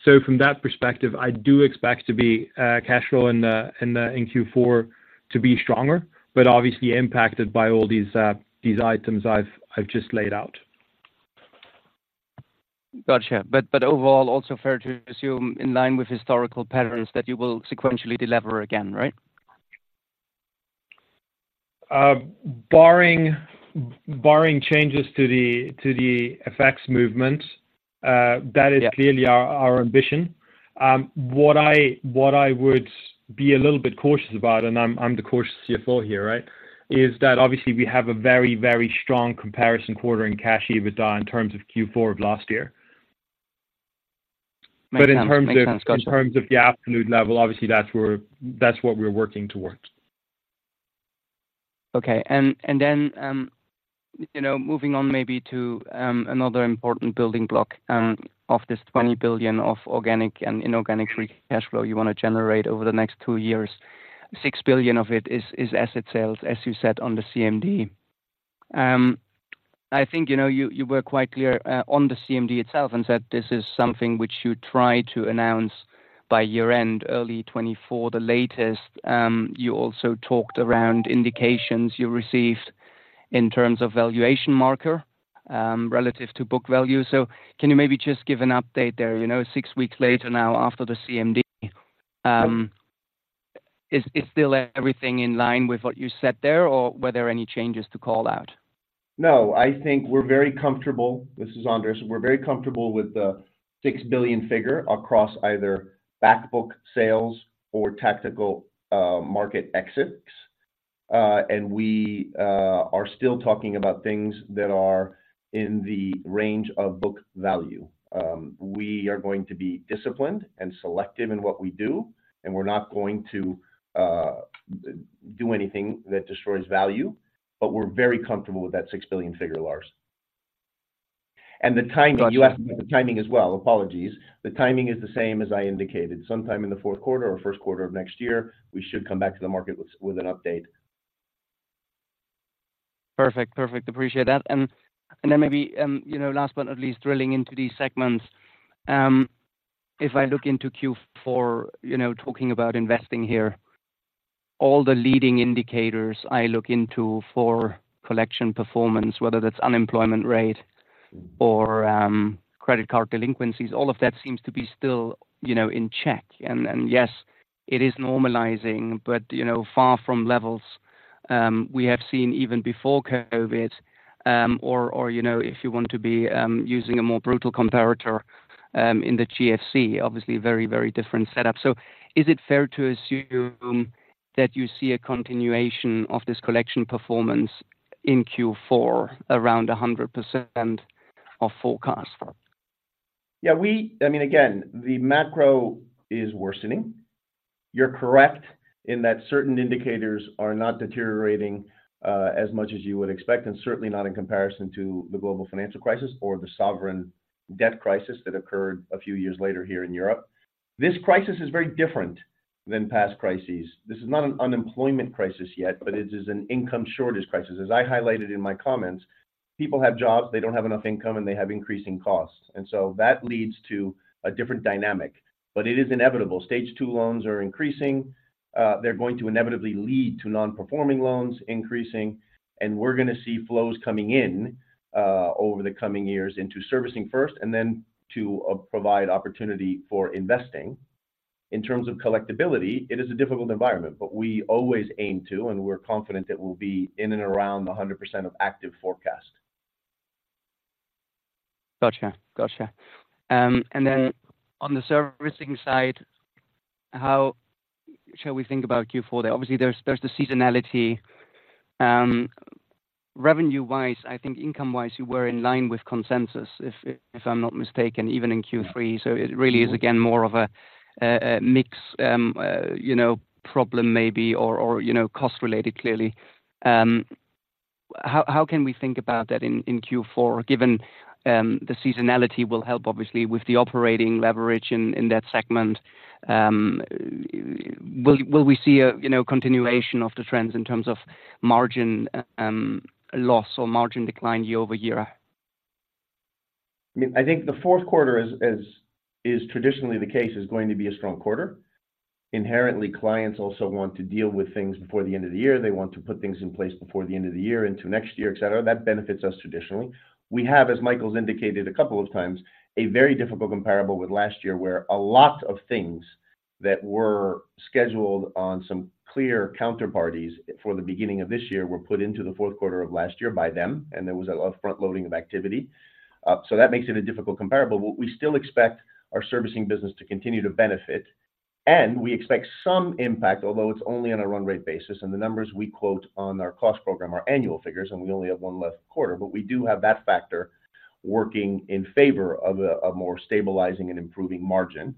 So from that perspective, I do expect cash flow in Q4 to be stronger, but obviously impacted by all these items I've just laid out. Gotcha. But overall, also fair to assume, in line with historical patterns, that you will sequentially delever again, right? Barring changes to the FX movement. Yeah... that is clearly our ambition. What I would be a little bit cautious about, and I'm the cautious CFO here, right? is that obviously we have a very, very strong comparison quarter in Cash EBITDA in terms of Q4 of last year. Makes sense. But in terms of- Makes sense. Got you.... in terms of the absolute level, obviously, that's what we're working towards. Okay. Then, you know, moving on maybe to another important building block of this 20 billion of organic and inorganic free cash flow you wanna generate over the next two years. 6 billion of it is asset sales, as you said, on the CMD. I think, you know, you were quite clear on the CMD itself and said this is something which you try to announce by year-end, early 2024, the latest. You also talked around indications you received in terms of valuation marker relative to book value. So can you maybe just give an update there, you know, six weeks later now after the CMD, is still everything in line with what you said there, or were there any changes to call out? No, I think we're very comfortable. This is Andrés. We're very comfortable with the 6 billion figure across either back book sales or tactical market exits. And we are still talking about things that are in the range of book value. We are going to be disciplined and selective in what we do, and we're not going to do anything that destroys value. But we're very comfortable with that 6 billion figure, Lars. And the timing- Got you. You asked about the timing as well. Apologies. The timing is the same as I indicated. Sometime in the fourth quarter or first quarter of next year, we should come back to the market with an update. Perfect. Perfect. Appreciate that and then maybe, you know, last but not least, drilling into these segments. If I look into Q4, you know, talking about investing here, all the leading indicators I look into for collection performance, whether that's unemployment rate or, credit card delinquencies, all of that seems to be still, you know, in check. And yes, it is normalizing, but, you know, far from levels, we have seen even before COVID, or, you know, if you want to be, using a more brutal comparator, in the GFC, obviously a very, very different setup. So is it fair to assume that you see a continuation of this collection performance in Q4 around 100% of forecast? Yeah, I mean, again, the macro is worsening. You're correct in that certain indicators are not deteriorating as much as you would expect, and certainly not in comparison to the global financial crisis or the sovereign debt crisis that occurred a few years later here in Europe. This crisis is very different than past crises. This is not an unemployment crisis yet, but it is an income shortage crisis. As I highlighted in my comments, people have jobs, they don't have enough income, and they have increasing costs. And so that leads to a different dynamic. But it is inevitable. Stage Two loans are increasing. They're going to inevitably lead to non-performing loans increasing, and we're gonna see flows coming in over the coming years into servicing first, and then to provide opportunity for investing. In terms of collectibility, it is a difficult environment, but we always aim to, and we're confident it will be in and around 100% of active forecast. Gotcha. Gotcha. And then on the servicing side, how shall we think about Q4? Obviously, there's, there's the seasonality. Revenue-wise, I think income-wise, you were in line with consensus, if, if I'm not mistaken, even in Q3. Yeah. It really is, again, more of a mix, you know, problem maybe or you know cost-related, clearly. How can we think about that in Q4, given the seasonality will help, obviously, with the operating leverage in that segment? Will we see a you know continuation of the trends in terms of margin loss or margin decline year-over-year? I mean, I think the fourth quarter as, as is traditionally the case, is going to be a strong quarter. Inherently, clients also want to deal with things before the end of the year. They want to put things in place before the end of the year into next year, et cetera. That benefits us traditionally. We have, as Michael's indicated a couple of times, a very difficult comparable with last year, where a lot of things that were scheduled on some clear counterparties for the beginning of this year were put into the fourth quarter of last year by them, and there was a lot of front loading of activity. So that makes it a difficult comparable. But we still expect our servicing business to continue to benefit, and we expect some impact, although it's only on a run rate basis, and the numbers we quote on our cost program are annual figures, and we only have one left quarter. But we do have that factor working in favor of a more stabilizing and improving margin.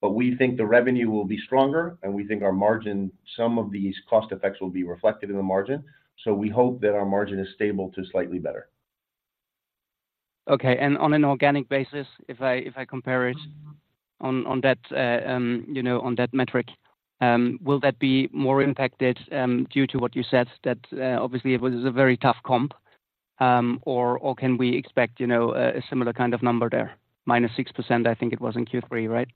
But we think the revenue will be stronger, and we think our margin, some of these cost effects will be reflected in the margin. So we hope that our margin is stable to slightly better. Okay. And on an organic basis, if I compare it on that, you know, on that metric, will that be more impacted due to what you said? That, obviously, it was a very tough comp, or can we expect, you know, a similar kind of number there? Minus 6%, I think it was in Q3, right?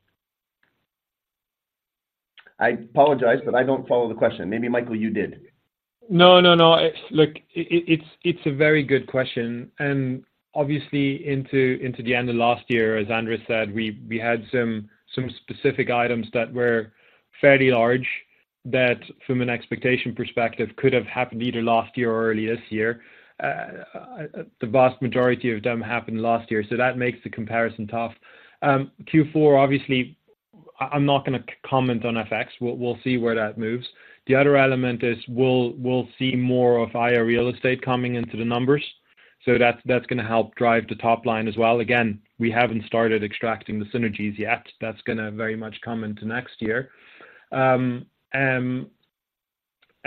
I apologize, but I don't follow the question. Maybe Michael, you did. No, no, no. Look, it, it's a very good question, and obviously into the end of last year, as Andrés said, we had some specific items that were fairly large that from an expectation perspective, could have happened either last year or early this year. The vast majority of them happened last year, so that makes the comparison tough. Q4, obviously, I'm not gonna comment on FX. We'll see where that moves. The other element is we'll see more of Haya Real Estate coming into the numbers, so that's gonna help drive the top line as well. Again, we haven't started extracting the synergies yet. That's gonna very much come into next year. And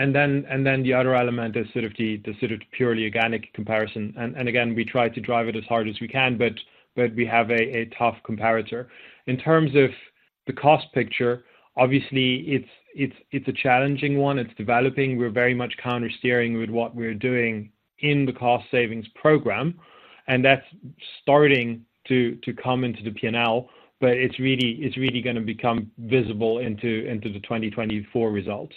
then the other element is sort of the sort of purely organic comparison. And again, we try to drive it as hard as we can, but we have a tough comparator. In terms of the cost picture, obviously, it's a challenging one. It's developing. We're very much countersteering with what we're doing in the cost savings program, and that's starting to come into the P&L, but it's really gonna become visible into the 2024 results.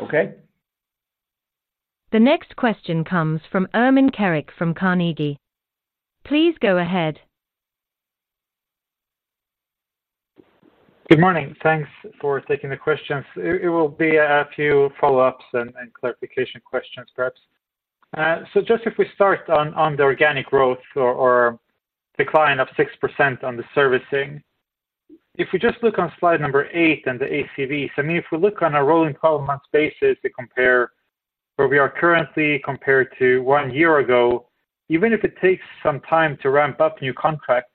Okay. The next question comes from Ermin Keric from Carnegie. Please go ahead. Good morning. Thanks for taking the questions. It will be a few follow-ups and clarification questions, perhaps. So just if we start on the organic growth or decline of 6% on the servicing. If we just look on slide number 8 and the ACVs, I mean, if we look on a rolling 12-month basis to compare where we are currently compared to one year ago, even if it takes some time to ramp up new contracts,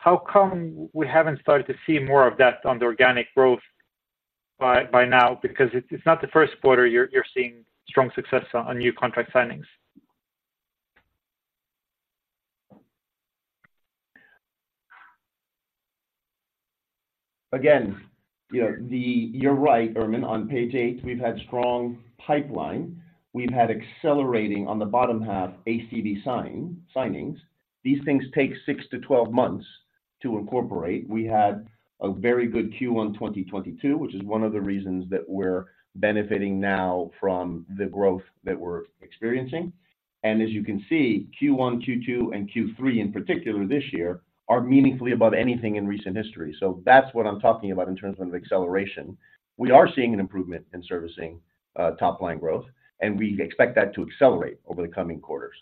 how come we haven't started to see more of that on the organic growth by now? Because it's not the first quarter you're seeing strong success on new contract signings. Again, you know, the-- you're right, Ermin. On page eight, we've had strong pipeline. We've had accelerating on the bottom half, ACV sign-signings. These things take 6-12 months to incorporate. We had a very good Q1 2022, which is one of the reasons that we're benefiting now from the growth that we're experiencing. And as you can see, Q1, Q2, and Q3, in particular this year, are meaningfully above anything in recent history. So that's what I'm talking about in terms of acceleration. We are seeing an improvement in servicing, top line growth, and we expect that to accelerate over the coming quarters.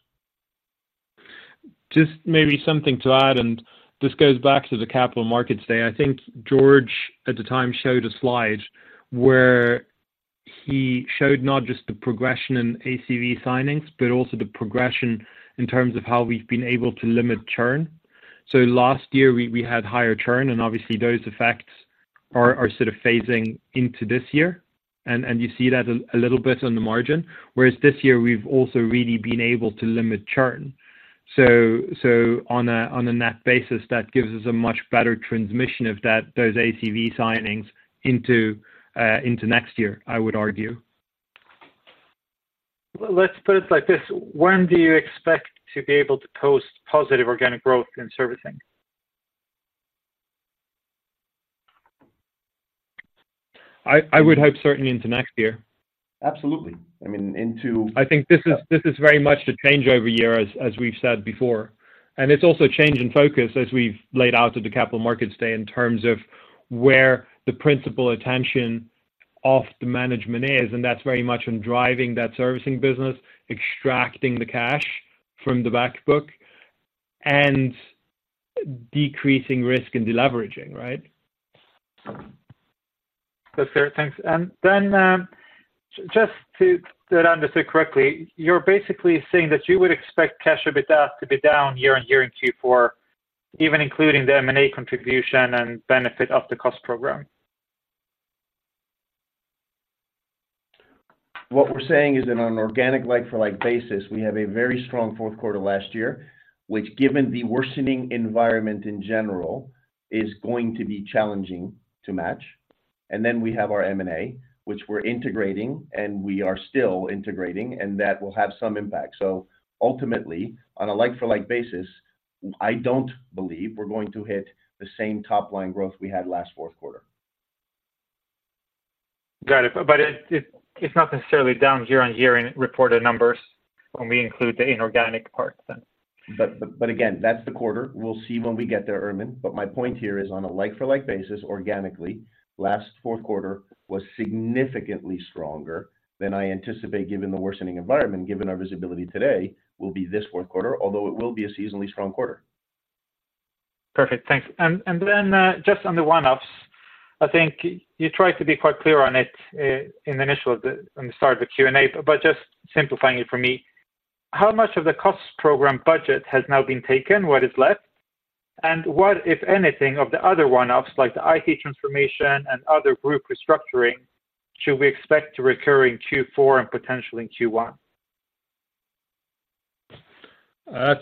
Just maybe something to add, and this goes back to the Capital Markets Day. I think George, at the time, showed a slide where he showed not just the progression in ACV signings, but also the progression in terms of how we've been able to limit churn. So last year, we had higher churn, and obviously those effects are sort of phasing into this year. And you see that a little bit on the margin, whereas this year we've also really been able to limit churn. So on a net basis, that gives us a much better transmission of those ACV signings into next year, I would argue. Well, let's put it like this: when do you expect to be able to post positive organic growth in servicing? I would hope certainly into next year. Absolutely. I mean, into- I think this is very much the changeover year as we've said before, and it's also a change in focus as we've laid out at the Capital Markets Day in terms of where the principal attention of the management is, and that's very much on driving that servicing business, extracting the cash from the back book, and decreasing risk and deleveraging, right? That's fair. Thanks. And then, just to understand correctly, you're basically saying that you would expect cash EBITDA to be down year-over-year in Q4, even including the M&A contribution and benefit of the cost program? What we're saying is that on an organic like for like basis, we have a very strong fourth quarter last year, which given the worsening environment in general, is going to be challenging to match. And then we have our M&A, which we're integrating, and we are still integrating, and that will have some impact. So ultimately, on a like for like basis, I don't believe we're going to hit the same top line growth we had last fourth quarter. Got it. But it, it's not necessarily down year on year in reported numbers when we include the inorganic parts then? But, but again, that's the quarter. We'll see when we get there, Ermin. But my point here is on a like for like basis, organically, last fourth quarter was significantly stronger than I anticipate, given the worsening environment, given our visibility today, will be this fourth quarter, although it will be a seasonally strong quarter. Perfect. Thanks. And then, just on the one-offs, I think you tried to be quite clear on it on the start of the Q&A, but just simplifying it for me, how much of the cost program budget has now been taken, what is left? And what, if anything, of the other one-offs, like the IT transformation and other group restructuring, should we expect to recur in Q4 and potentially in Q1?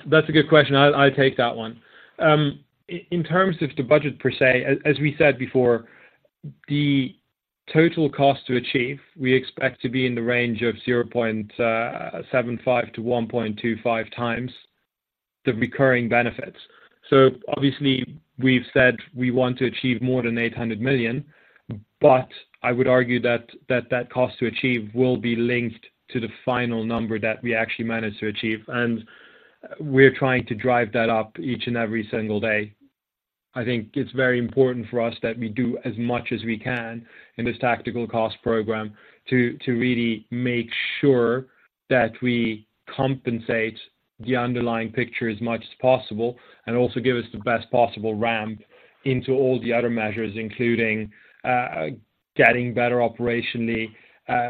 That's a good question. I'll take that one. In terms of the budget per se, as we said before, the total cost to achieve, we expect to be in the range of 0.75-1.25 times the recurring benefits. So obviously, we've said we want to achieve more than 800 million, but I would argue that cost to achieve will be linked to the final number that we actually managed to achieve, and we're trying to drive that up each and every single day. I think it's very important for us that we do as much as we can in this tactical cost program to really make sure that we compensate the underlying picture as much as possible and also give us the best possible ramp into all the other measures, including getting better operationally,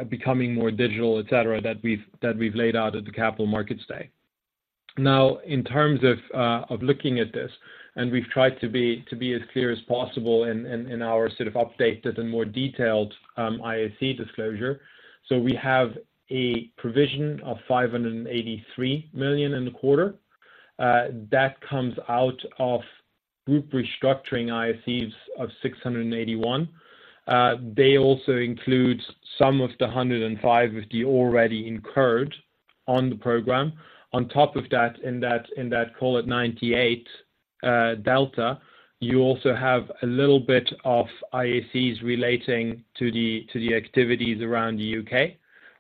becoming more digital, et cetera, that we've laid out at the Capital Markets Day. Now, in terms of looking at this, and we've tried to be as clear as possible in our sort of updated and more detailed IAC disclosure. So we have a provision of 583 million in the quarter that comes out of group restructuring IACs of 681. They also include some of the 105 with the already incurred on the program. On top of that, in that, in that call at 98 delta, you also have a little bit of IACs relating to the, to the activities around the UK,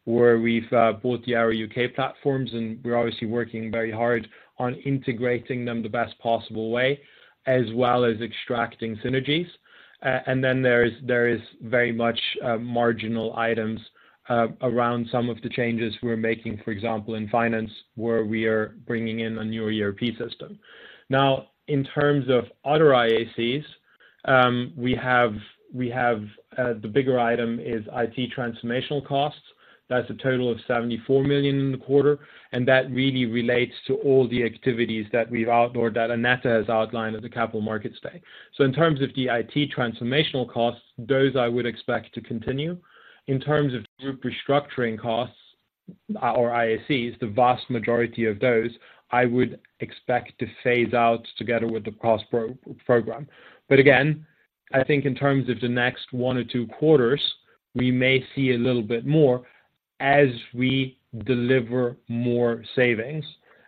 where we've bought the Arrow UK platforms, and we're obviously working very hard on integrating them the best possible way, as well as extracting synergies. And then there is, there is very much marginal items around some of the changes we're making, for example, in finance, where we are bringing in a new ERP system. Now, in terms of other IACs, we have, we have the bigger item is IT transformational costs. That's a total of 74 million in the quarter, and that really relates to all the activities that we've outlined, or that Annette has outlined at the Capital Markets Day. In terms of the IT transformational costs, those I would expect to continue. In terms of group restructuring costs or IACs, the vast majority of those, I would expect to phase out together with the CostPro program. But again, I think in terms of the next one or two quarters, we may see a little bit more as we deliver more savings.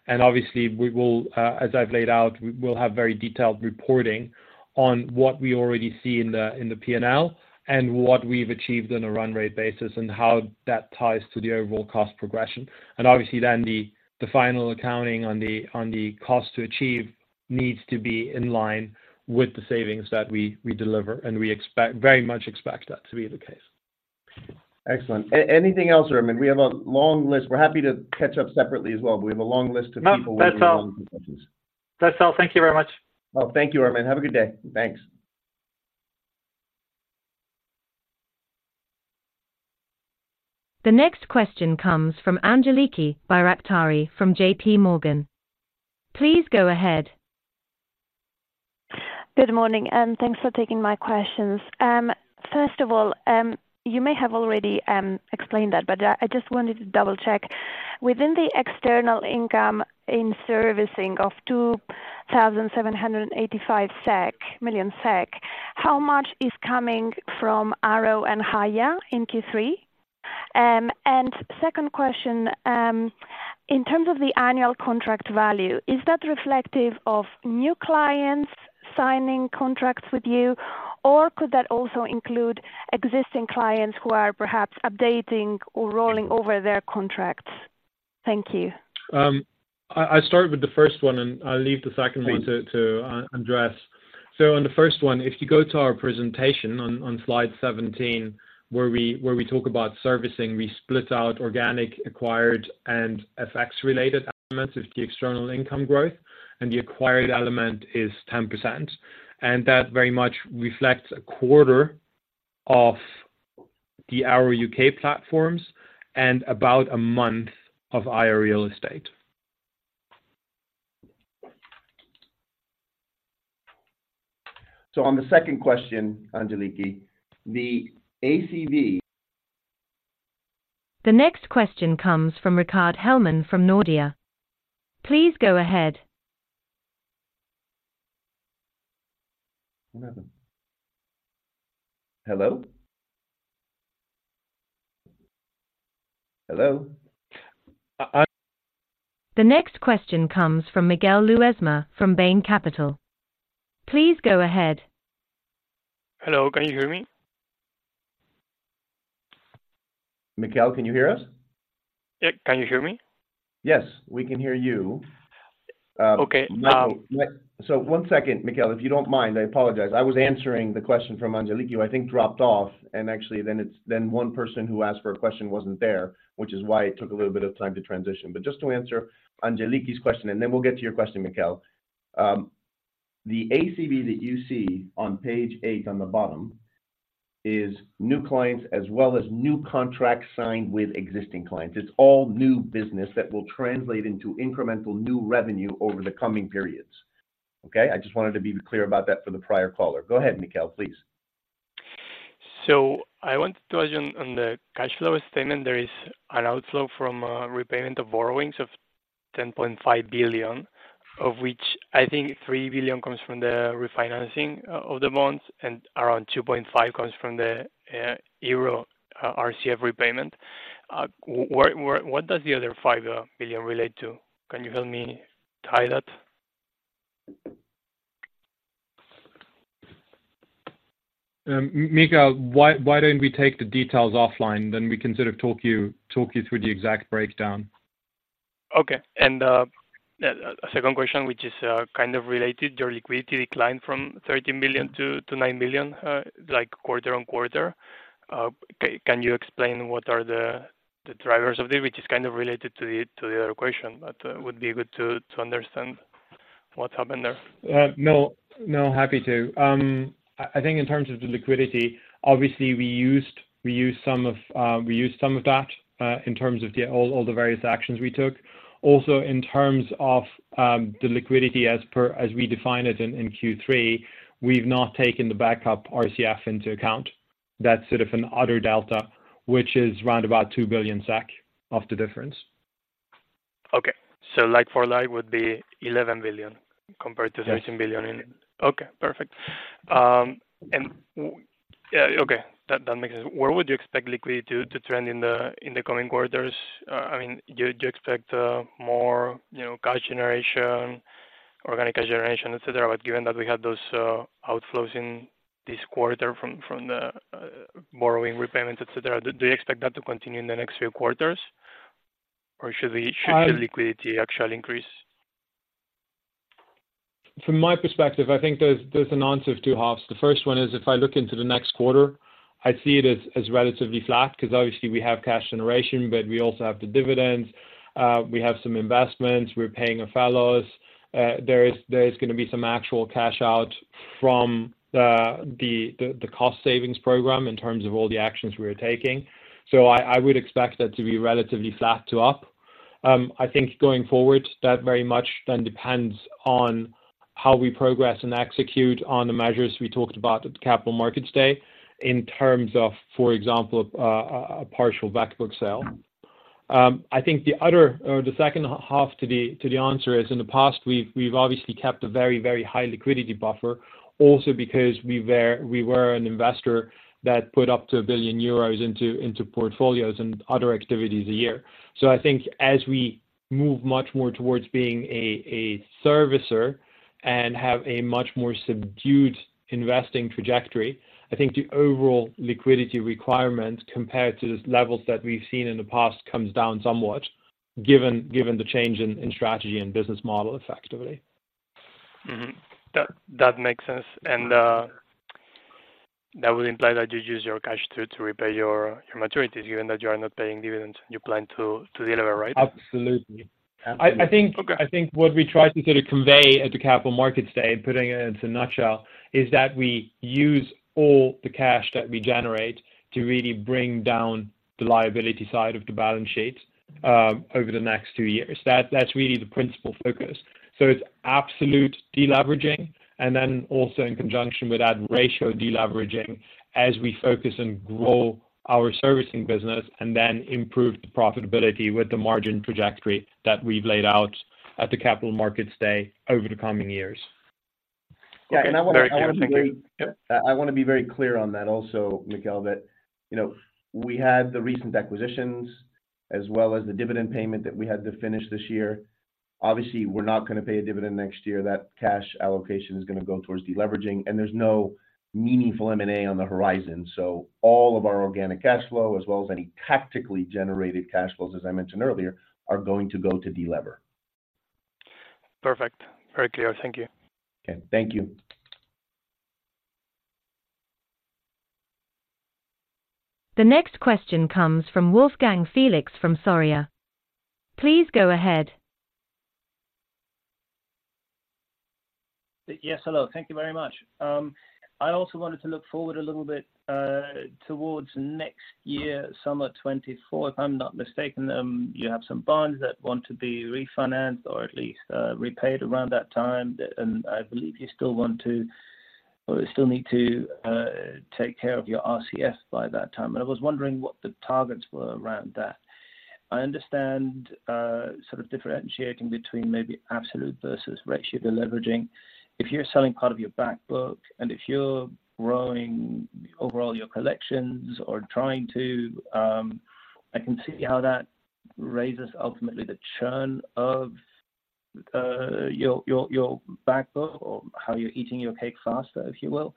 And obviously, we will, as I've laid out, we will have very detailed reporting on what we already see in the, in the P&L and what we've achieved on a run rate basis, and how that ties to the overall cost progression. And obviously, then, the final accounting on the, on the cost to achieve needs to be in line with the savings that we deliver, and we expect—very much expect that to be the case. Excellent. Anything else, Ermin? We have a long list. We're happy to catch up separately as well, but we have a long list of people- No, that's all. With long questions. That's all. Thank you very much. Well, thank you, Ermin. Have a good day. Thanks. The next question comes from Angeliki Bairaktari from JP Morgan. Please go ahead. Good morning, and thanks for taking my questions. First of all, you may have already explained that, but I just wanted to double-check. Within the external income in servicing of 2,785 million SEK, how much is coming from Arrow and Haya in Q3? Second question, in terms of the annual contract value, is that reflective of new clients signing contracts with you, or could that also include existing clients who are perhaps updating or rolling over their contracts? Thank you. I'll start with the first one, and I'll leave the second one- Please... to address. So on the first one, if you go to our presentation on slide 17, where we talk about servicing, we split out organic, acquired, and FX-related elements of the external income growth, and the acquired element is 10%. And that very much reflects a quarter of the Arrow UK platforms and about a month of IO Real Estate. On the second question, Angeliki, the ACV- The next question comes from Rickard Hellman from Nordea. Please go ahead. Hello? Hello. I, I- The next question comes from Miguel Luesma from Bain Capital. Please go ahead. Hello, can you hear me? Miguel, can you hear us? Yeah. Can you hear me? Yes, we can hear you. Okay. Now- So one second, Miguel, if you don't mind, I apologize. I was answering the question from Angeliki, who I think dropped off, and actually, then one person who asked for a question wasn't there, which is why it took a little bit of time to transition. But just to answer Angeliki's question, and then we'll get to your question, Miguel. The ACV that you see on page 8 on the bottom is new clients, as well as new contracts signed with existing clients. It's all new business that will translate into incremental new revenue over the coming periods. Okay? I just wanted to be clear about that for the prior caller. Go ahead, Miguel, please. So I wanted to ask you, on, on the cash flow statement, there is an outflow from repayment of borrowings of 10.5 billion, of which I think 3 billion comes from the refinancing of the bonds and around 2.5 billion comes from the Euro RCF repayment. Where, what does the other 5 billion relate to? Can you help me tie that? Miguel, why don't we take the details offline, then we can sort of talk you through the exact breakdown. Okay. And, a second question, which is kind of related to your liquidity decline from 13 billion to 9 billion, like, quarter-on-quarter. Can you explain what are the drivers of it, which is kind of related to the other question, but would be good to understand what's happened there? No, no, happy to. I think in terms of the liquidity, obviously we used some of that in terms of all the various actions we took. Also, in terms of the liquidity as we define it in Q3, we've not taken the backup RCF into account. That's sort of another delta, which is round about 2 billion SEK of the difference. Okay. So like for like, would be 11 billion compared to- Yes... 13 billion in... Okay, perfect. And yeah, okay, that makes sense. Where would you expect liquidity to trend in the coming quarters? I mean, do you expect more, you know, cash generation, organic cash generation, et cetera, but given that we had those outflows in this quarter from the borrowing repayment, et cetera, do you expect that to continue in the next few quarters, or should we- I-... should the liquidity actually increase? ... From my perspective, I think there's an answer of two halves. The first one is if I look into the next quarter, I see it as relatively flat, because obviously we have cash generation, but we also have the dividends, we have some investments, we're paying our fellows. There is gonna be some actual cash out from the cost savings program in terms of all the actions we are taking. So I would expect that to be relatively flat to up. I think going forward, that very much then depends on how we progress and execute on the measures we talked about at the Capital Markets Day in terms of, for example, a partial back book sale. I think the other or the second half to the answer is, in the past, we've obviously kept a very, very high liquidity buffer also because we were an investor that put up to 1 billion euros into portfolios and other activities a year. So I think as we move much more towards being a servicer and have a much more subdued investing trajectory, I think the overall liquidity requirement, compared to the levels that we've seen in the past, comes down somewhat, given the change in strategy and business model effectively. Mm-hmm. That, that makes sense. And, that would imply that you use your cash to, to repay your, your maturities, given that you are not paying dividends and you plan to, to delever, right? Absolutely. Absolutely. I think- Okay. I think what we tried to kind of convey at the Capital Markets Day, and putting it into a nutshell, is that we use all the cash that we generate to really bring down the liability side of the balance sheet over the next two years. That's really the principal focus. So it's absolute deleveraging, and then also in conjunction with that, ratio deleveraging as we focus and grow our servicing business and then improve the profitability with the margin trajectory that we've laid out at the Capital Markets Day over the coming years. Yeah, and I wanna- Very clear. Thank you. Yep. I wanna be very clear on that also, Michael, that, you know, we had the recent acquisitions as well as the dividend payment that we had to finish this year. Obviously, we're not gonna pay a dividend next year. That cash allocation is gonna go towards deleveraging, and there's no meaningful M&A on the horizon. So all of our organic cash flow, as well as any tactically generated cash flows, as I mentioned earlier, are going to go to delever. Perfect. Very clear. Thank you. Okay, thank you. The next question comes from Wolfgang Felix from Chenavari. Please go ahead. Yes, hello. Thank you very much. I also wanted to look forward a little bit, towards next year, summer 2024. If I'm not mistaken, you have some bonds that want to be refinanced or at least, repaid around that time. And I believe you still want to or still need to, take care of your RCF by that time. And I was wondering what the targets were around that. I understand, sort of differentiating between maybe absolute versus ratio deleveraging. If you're selling part of your back book, and if you're growing overall your collections or trying to, I can see how that raises ultimately the churn of, your, your, your back book or how you're eating your cake faster, if you will.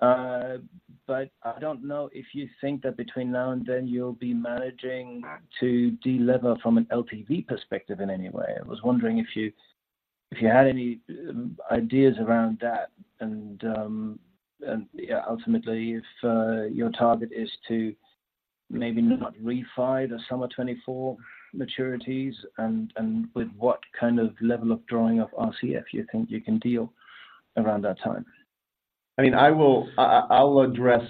But I don't know if you think that between now and then you'll be managing to delever from an LTV perspective in any way. I was wondering if you, if you had any ideas around that, and yeah, ultimately, if your target is to maybe not refi the summer 2024 maturities and, and with what kind of level of drawing of RCF you think you can deal around that time? I mean, I will address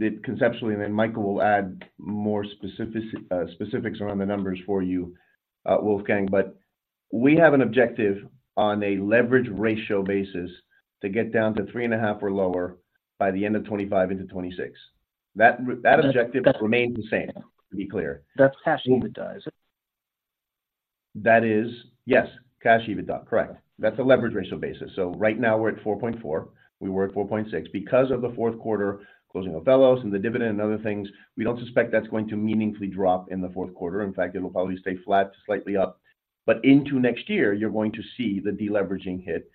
it conceptually, and then Michael will add more specifics around the numbers for you, Wolfgang. But we have an objective on a leverage ratio basis to get down to 3.5 or lower by the end of 2025 into 2026. That re- That- That objective remains the same, to be clear. That's Cash EBITDA, is it? That is... Yes, Cash EBITDA. Correct. That's a leverage ratio basis. So right now we're at 4.4x. We were at 4.6x. Because of the fourth quarter, closing Ophelos and the dividend and other things, we don't suspect that's going to meaningfully drop in the fourth quarter. In fact, it'll probably stay flat to slightly up. But into next year, you're going to see the deleveraging hit.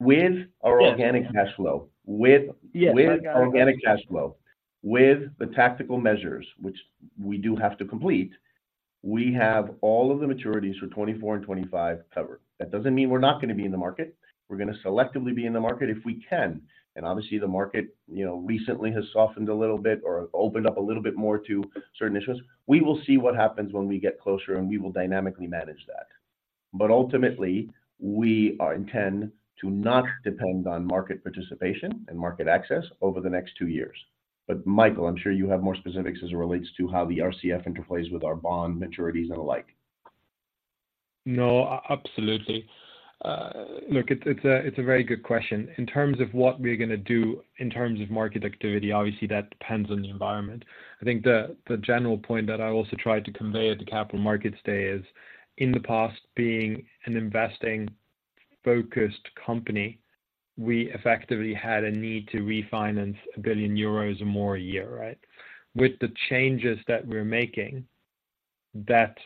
With- Yes... our organic cash flow, with- Yes, organic With organic cash flow, with the tactical measures, which we do have to complete, we have all of the maturities for 2024 and 2025 covered. That doesn't mean we're not gonna be in the market. We're gonna selectively be in the market if we can, and obviously the market, you know, recently has softened a little bit or opened up a little bit more to certain issues. We will see what happens when we get closer, and we will dynamically manage that. But ultimately, we are intend to not depend on market participation and market access over the next two years. But, Michael, I'm sure you have more specifics as it relates to how the RCF interplays with our bond maturities and the like. No, absolutely. Look, it's a very good question. In terms of what we're gonna do in terms of market activity, obviously, that depends on the environment. I think the general point that I also tried to convey at the Capital Markets Day is, in the past, being an investing-focused company, we effectively had a need to refinance 1 billion euros or more a year, right? With the changes that we're making, that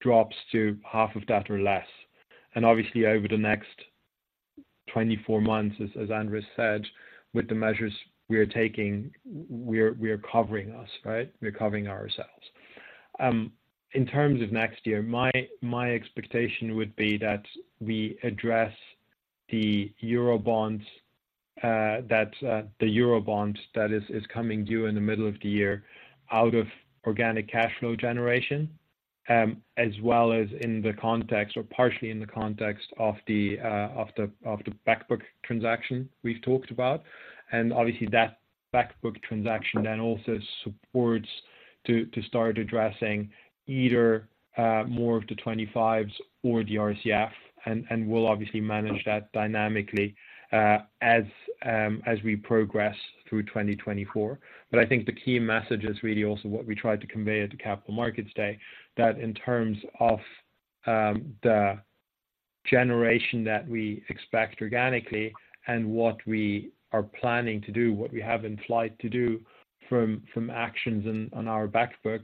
drops to half of that or less. And obviously, over the next 24 months, as Andrés said, with the measures we are taking, we're covering ourselves, right? We're covering ourselves. In terms of next year, my expectation would be that we address the euro bonds, that the euro bond that is coming due in the middle of the year out of organic cash flow generation, as well as in the context or partially in the context of the back book transaction we've talked about. Obviously, that back book transaction then also supports to start addressing either more of the 25s or the RCF, and we'll obviously manage that dynamically, as we progress through 2024. But I think the key message is really also what we tried to convey at the Capital Markets Day, that in terms of, the generation that we expect organically and what we are planning to do, what we have in flight to do from actions on our back book,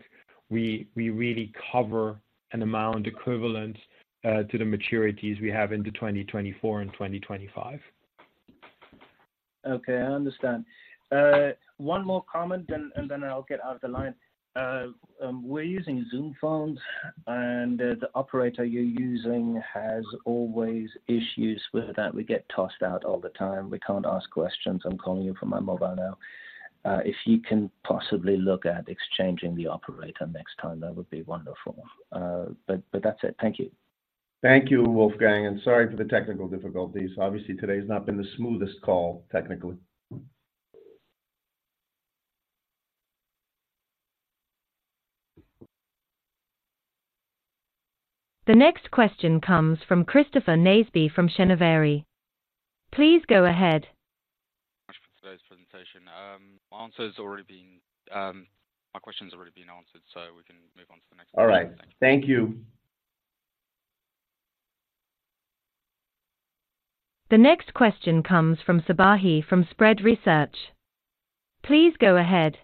we really cover an amount equivalent to the maturities we have into 2024 and 2025. Okay, I understand. One more comment and, and then I'll get out of the line. We're using Zoom phones, and the operator you're using has always issues with that. We get tossed out all the time. We can't ask questions. I'm calling you from my mobile now. If you can possibly look at exchanging the operator next time, that would be wonderful. But, but that's it. Thank you. Thank you, Wolfgang, and sorry for the technical difficulties. Obviously, today's not been the smoothest call technically. The next question comes from Christopher Shersby from Chenavari. Please go ahead.... Much for today's presentation. My question's already been answered, so we can move on to the next. All right. Thank you. The next question comes from Sabahi, from Spread Research. Please go ahead.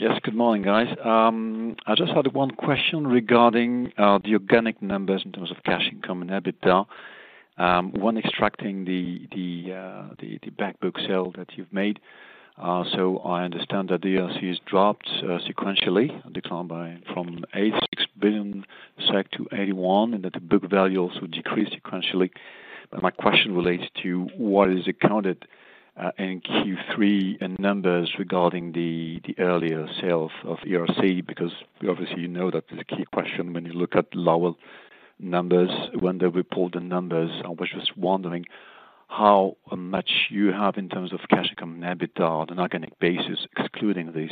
Yes, good morning, guys. I just had one question regarding the organic numbers in terms of cash income and EBITDA. When extracting the back book sale that you've made. So I understand that the ERC has dropped sequentially, declined by from 86 billion SEK to 81, and that the book value also decreased sequentially. But my question relates to what is accounted in Q3 and numbers regarding the earlier sales of ERC, because obviously, you know that the key question when you look at lower numbers, when they report the numbers, I was just wondering how much you have in terms of cash income and EBITDA on an organic basis, excluding this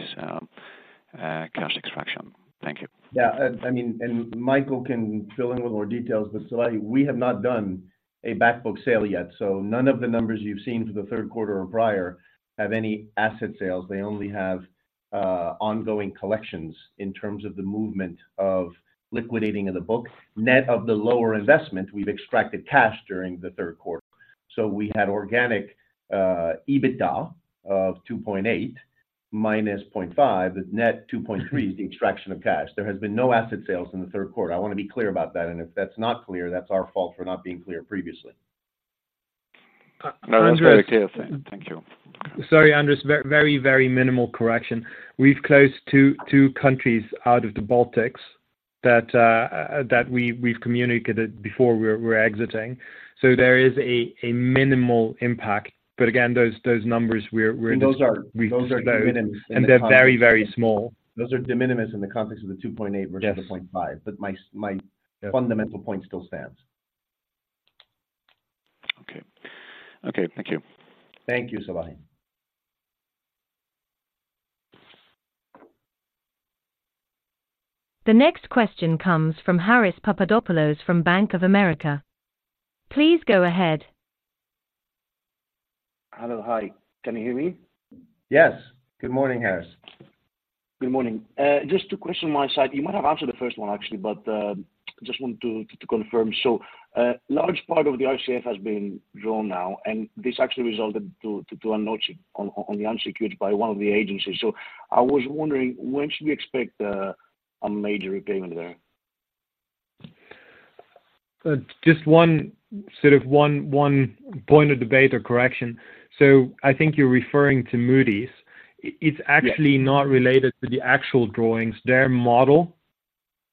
cash extraction. Thank you. Yeah, I mean... And Michael can fill in with more details, but Sabahi, we have not done a back book sale yet, so none of the numbers you've seen for the third quarter or prior have any asset sales. They only have ongoing collections in terms of the movement of liquidating of the book. Net of the lower investment, we've extracted cash during the third quarter. So we had organic EBITDA of 2.8, minus 0.5, the net 2.3 is the extraction of cash. There has been no asset sales in the third quarter. I want to be clear about that, and if that's not clear, that's our fault for not being clear previously. No, that's very clear. Thank you. Sorry, Andrés, very, very minimal correction. We've closed two countries out of the Baltics that we have communicated before we're exiting. So there is a minimal impact. But again, those numbers we're- Those are, those are de minimis. They're very, very small. Those are de minimis in the context of the 2.8- Yes - versus the 0.5, but my fundamental point still stands. Okay. Okay, thank you. Thank you, Sabahi. The next question comes from Harris Papadopoulos from Bank of America. Please go ahead. Hello. Hi, can you hear me? Yes. Good morning, Harris. Good morning. Just two questions on my side. You might have answered the first one, actually, but just wanted to confirm. So, a large part of the RCF has been drawn now, and this actually resulted to a notch on the unsecured by one of the agencies. So I was wondering, when should we expect a major repayment there? Just one point of debate or correction. So I think you're referring to Moody's. Yes. It's actually not related to the actual drawings. Their model,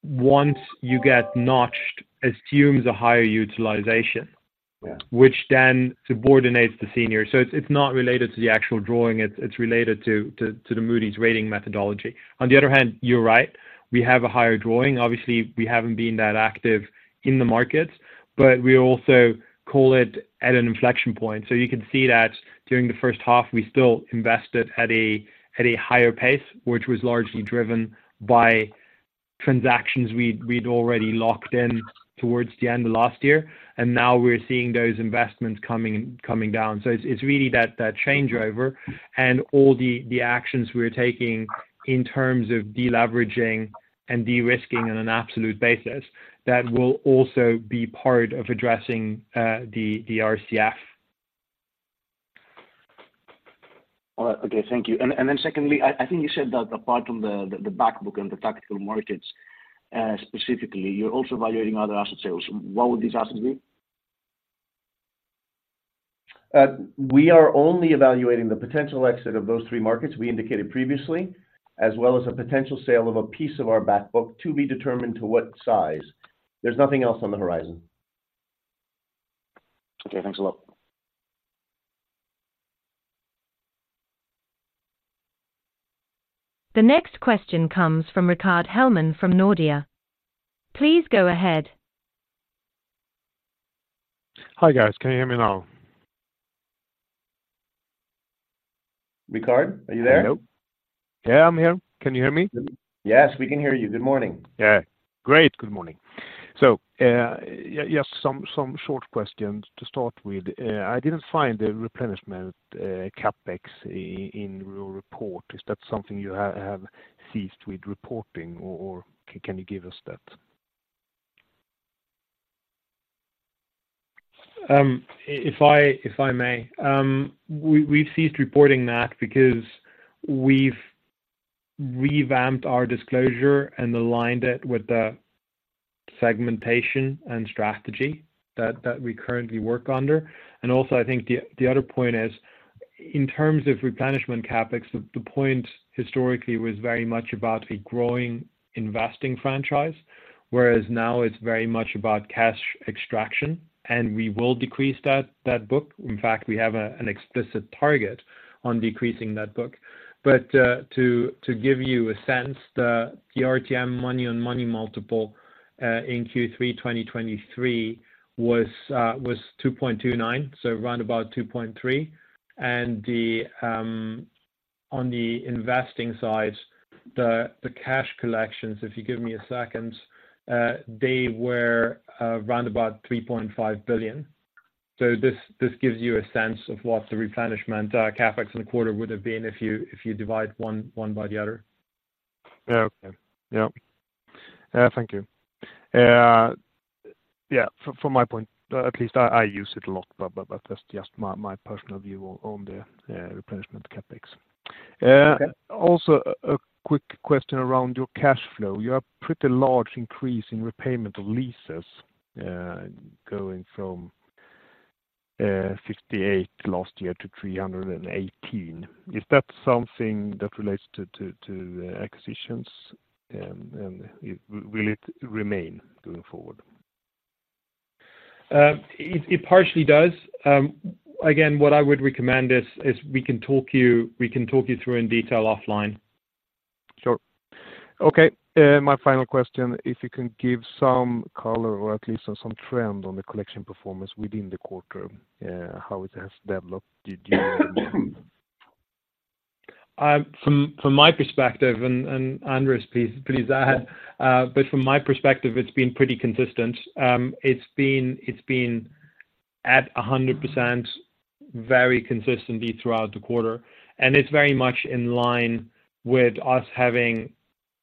once you get notched, assumes a higher utilization- Yeah which then subordinates the senior. So it's not related to the actual drawing, it's related to the Moody's rating methodology. On the other hand, you're right, we have a higher drawing. Obviously, we haven't been that active in the market, but we also call it at an inflection point. So you can see that during the first half, we still invested at a higher pace, which was largely driven by transactions we'd already locked in towards the end of last year, and now we're seeing those investments coming down. So it's really that changeover and all the actions we're taking in terms of deleveraging and de-risking on an absolute basis, that will also be part of addressing the RCF. All right. Okay, thank you. And then secondly, I think you said that apart from the back book and the tactical markets, specifically, you're also evaluating other asset sales. What would these assets be?... We are only evaluating the potential exit of those three markets we indicated previously, as well as a potential sale of a piece of our back book, to be determined to what size. There's nothing else on the horizon. Okay, thanks a lot. The next question comes from Rickard Hellman from Nordea. Please go ahead. Hi, guys. Can you hear me now? Rickard, are you there? Hello. Yeah, I'm here. Can you hear me? Yes, we can hear you. Good morning. Yeah. Great, good morning. So, yes, some short questions to start with. I didn't find the replenishment CapEx in your report. Is that something you have ceased with reporting, or can you give us that? If I may, we've ceased reporting that because we've revamped our disclosure and aligned it with the segmentation and strategy that we currently work under. And also, I think the other point is, in terms of replenishment CapEx, the point historically was very much about a growing, investing franchise, whereas now it's very much about cash extraction, and we will decrease that book. In fact, we have an explicit target on decreasing that book. But to give you a sense, the RTM money on money multiple in Q3 2023 was 2.29, so round about 2.3. And on the investing side, the cash collections, if you give me a second, they were round about 3.5 billion. So this gives you a sense of what the replenishment CapEx in the quarter would have been if you divide one by the other. Yeah. Okay. Yep. Thank you. Yeah, from my point, at least I use it a lot, but that's just my personal view on the replenishment CapEx. Okay. Also, a quick question around your cash flow. You have pretty large increase in repayment of leases, going from 58 last year to 318. Is that something that relates to acquisitions? And will it remain going forward? It partially does. Again, what I would recommend is we can talk you through in detail offline. Sure. Okay, my final question, if you can give some color or at least some trend on the collection performance within the quarter, how it has developed, did you- From my perspective, and Andrés, please add. But from my perspective, it's been pretty consistent. It's been at 100% very consistently throughout the quarter, and it's very much in line with us having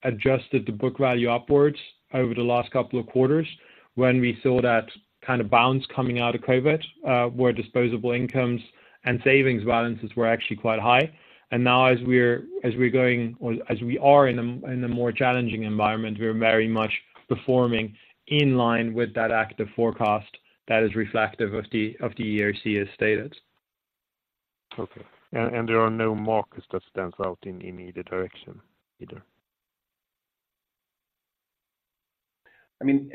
adjusted the book value upwards over the last couple of quarters, when we saw that kind of bounce coming out of COVID, where disposable incomes and savings balances were actually quite high. And now as we are in a more challenging environment, we're very much performing in line with that active forecast that is reflective of the ERC as stated. Okay. And there are no markets that stands out in either direction, either? I mean,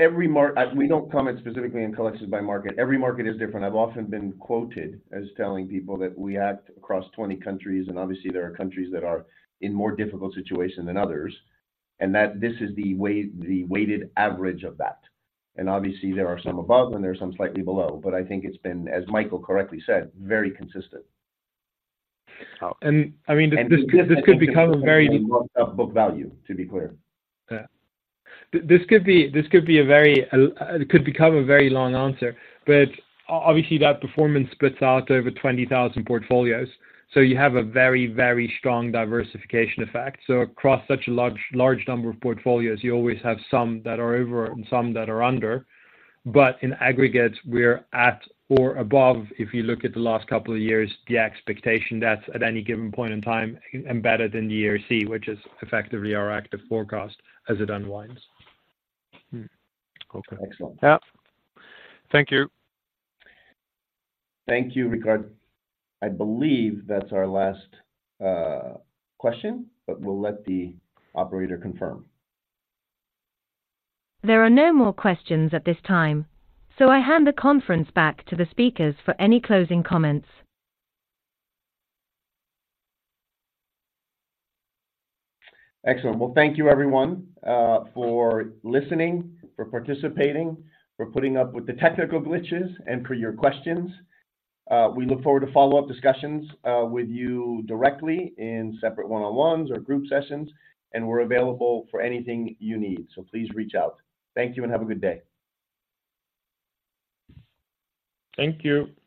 we don't comment specifically on collections by market. Every market is different. I've often been quoted as telling people that we act across 20 countries, and obviously there are countries that are in more difficult situation than others, and that this is the weighted average of that. And obviously, there are some above and there are some slightly below, but I think it's been, as Michael correctly said, very consistent. I mean, this could become a very- Book value, to be clear. Yeah. This could be, this could be a very... It could become a very long answer, but obviously, that performance splits out over 20,000 portfolios, so you have a very, very strong diversification effect. So across such a large, large number of portfolios, you always have some that are over and some that are under. But in aggregate, we're at or above, if you look at the last couple of years, the expectation that at any given point in time, embedded in the ERC, which is effectively our active forecast as it unwinds. Hmm. Okay. Excellent. Yeah. Thank you. Thank you, Rickard. I believe that's our last question, but we'll let the operator confirm. There are no more questions at this time, so I hand the conference back to the speakers for any closing comments. Excellent. Well, thank you everyone for listening, for participating, for putting up with the technical glitches, and for your questions. We look forward to follow-up discussions with you directly in separate one-on-ones or group sessions, and we're available for anything you need. So please reach out. Thank you and have a good day. Thank you.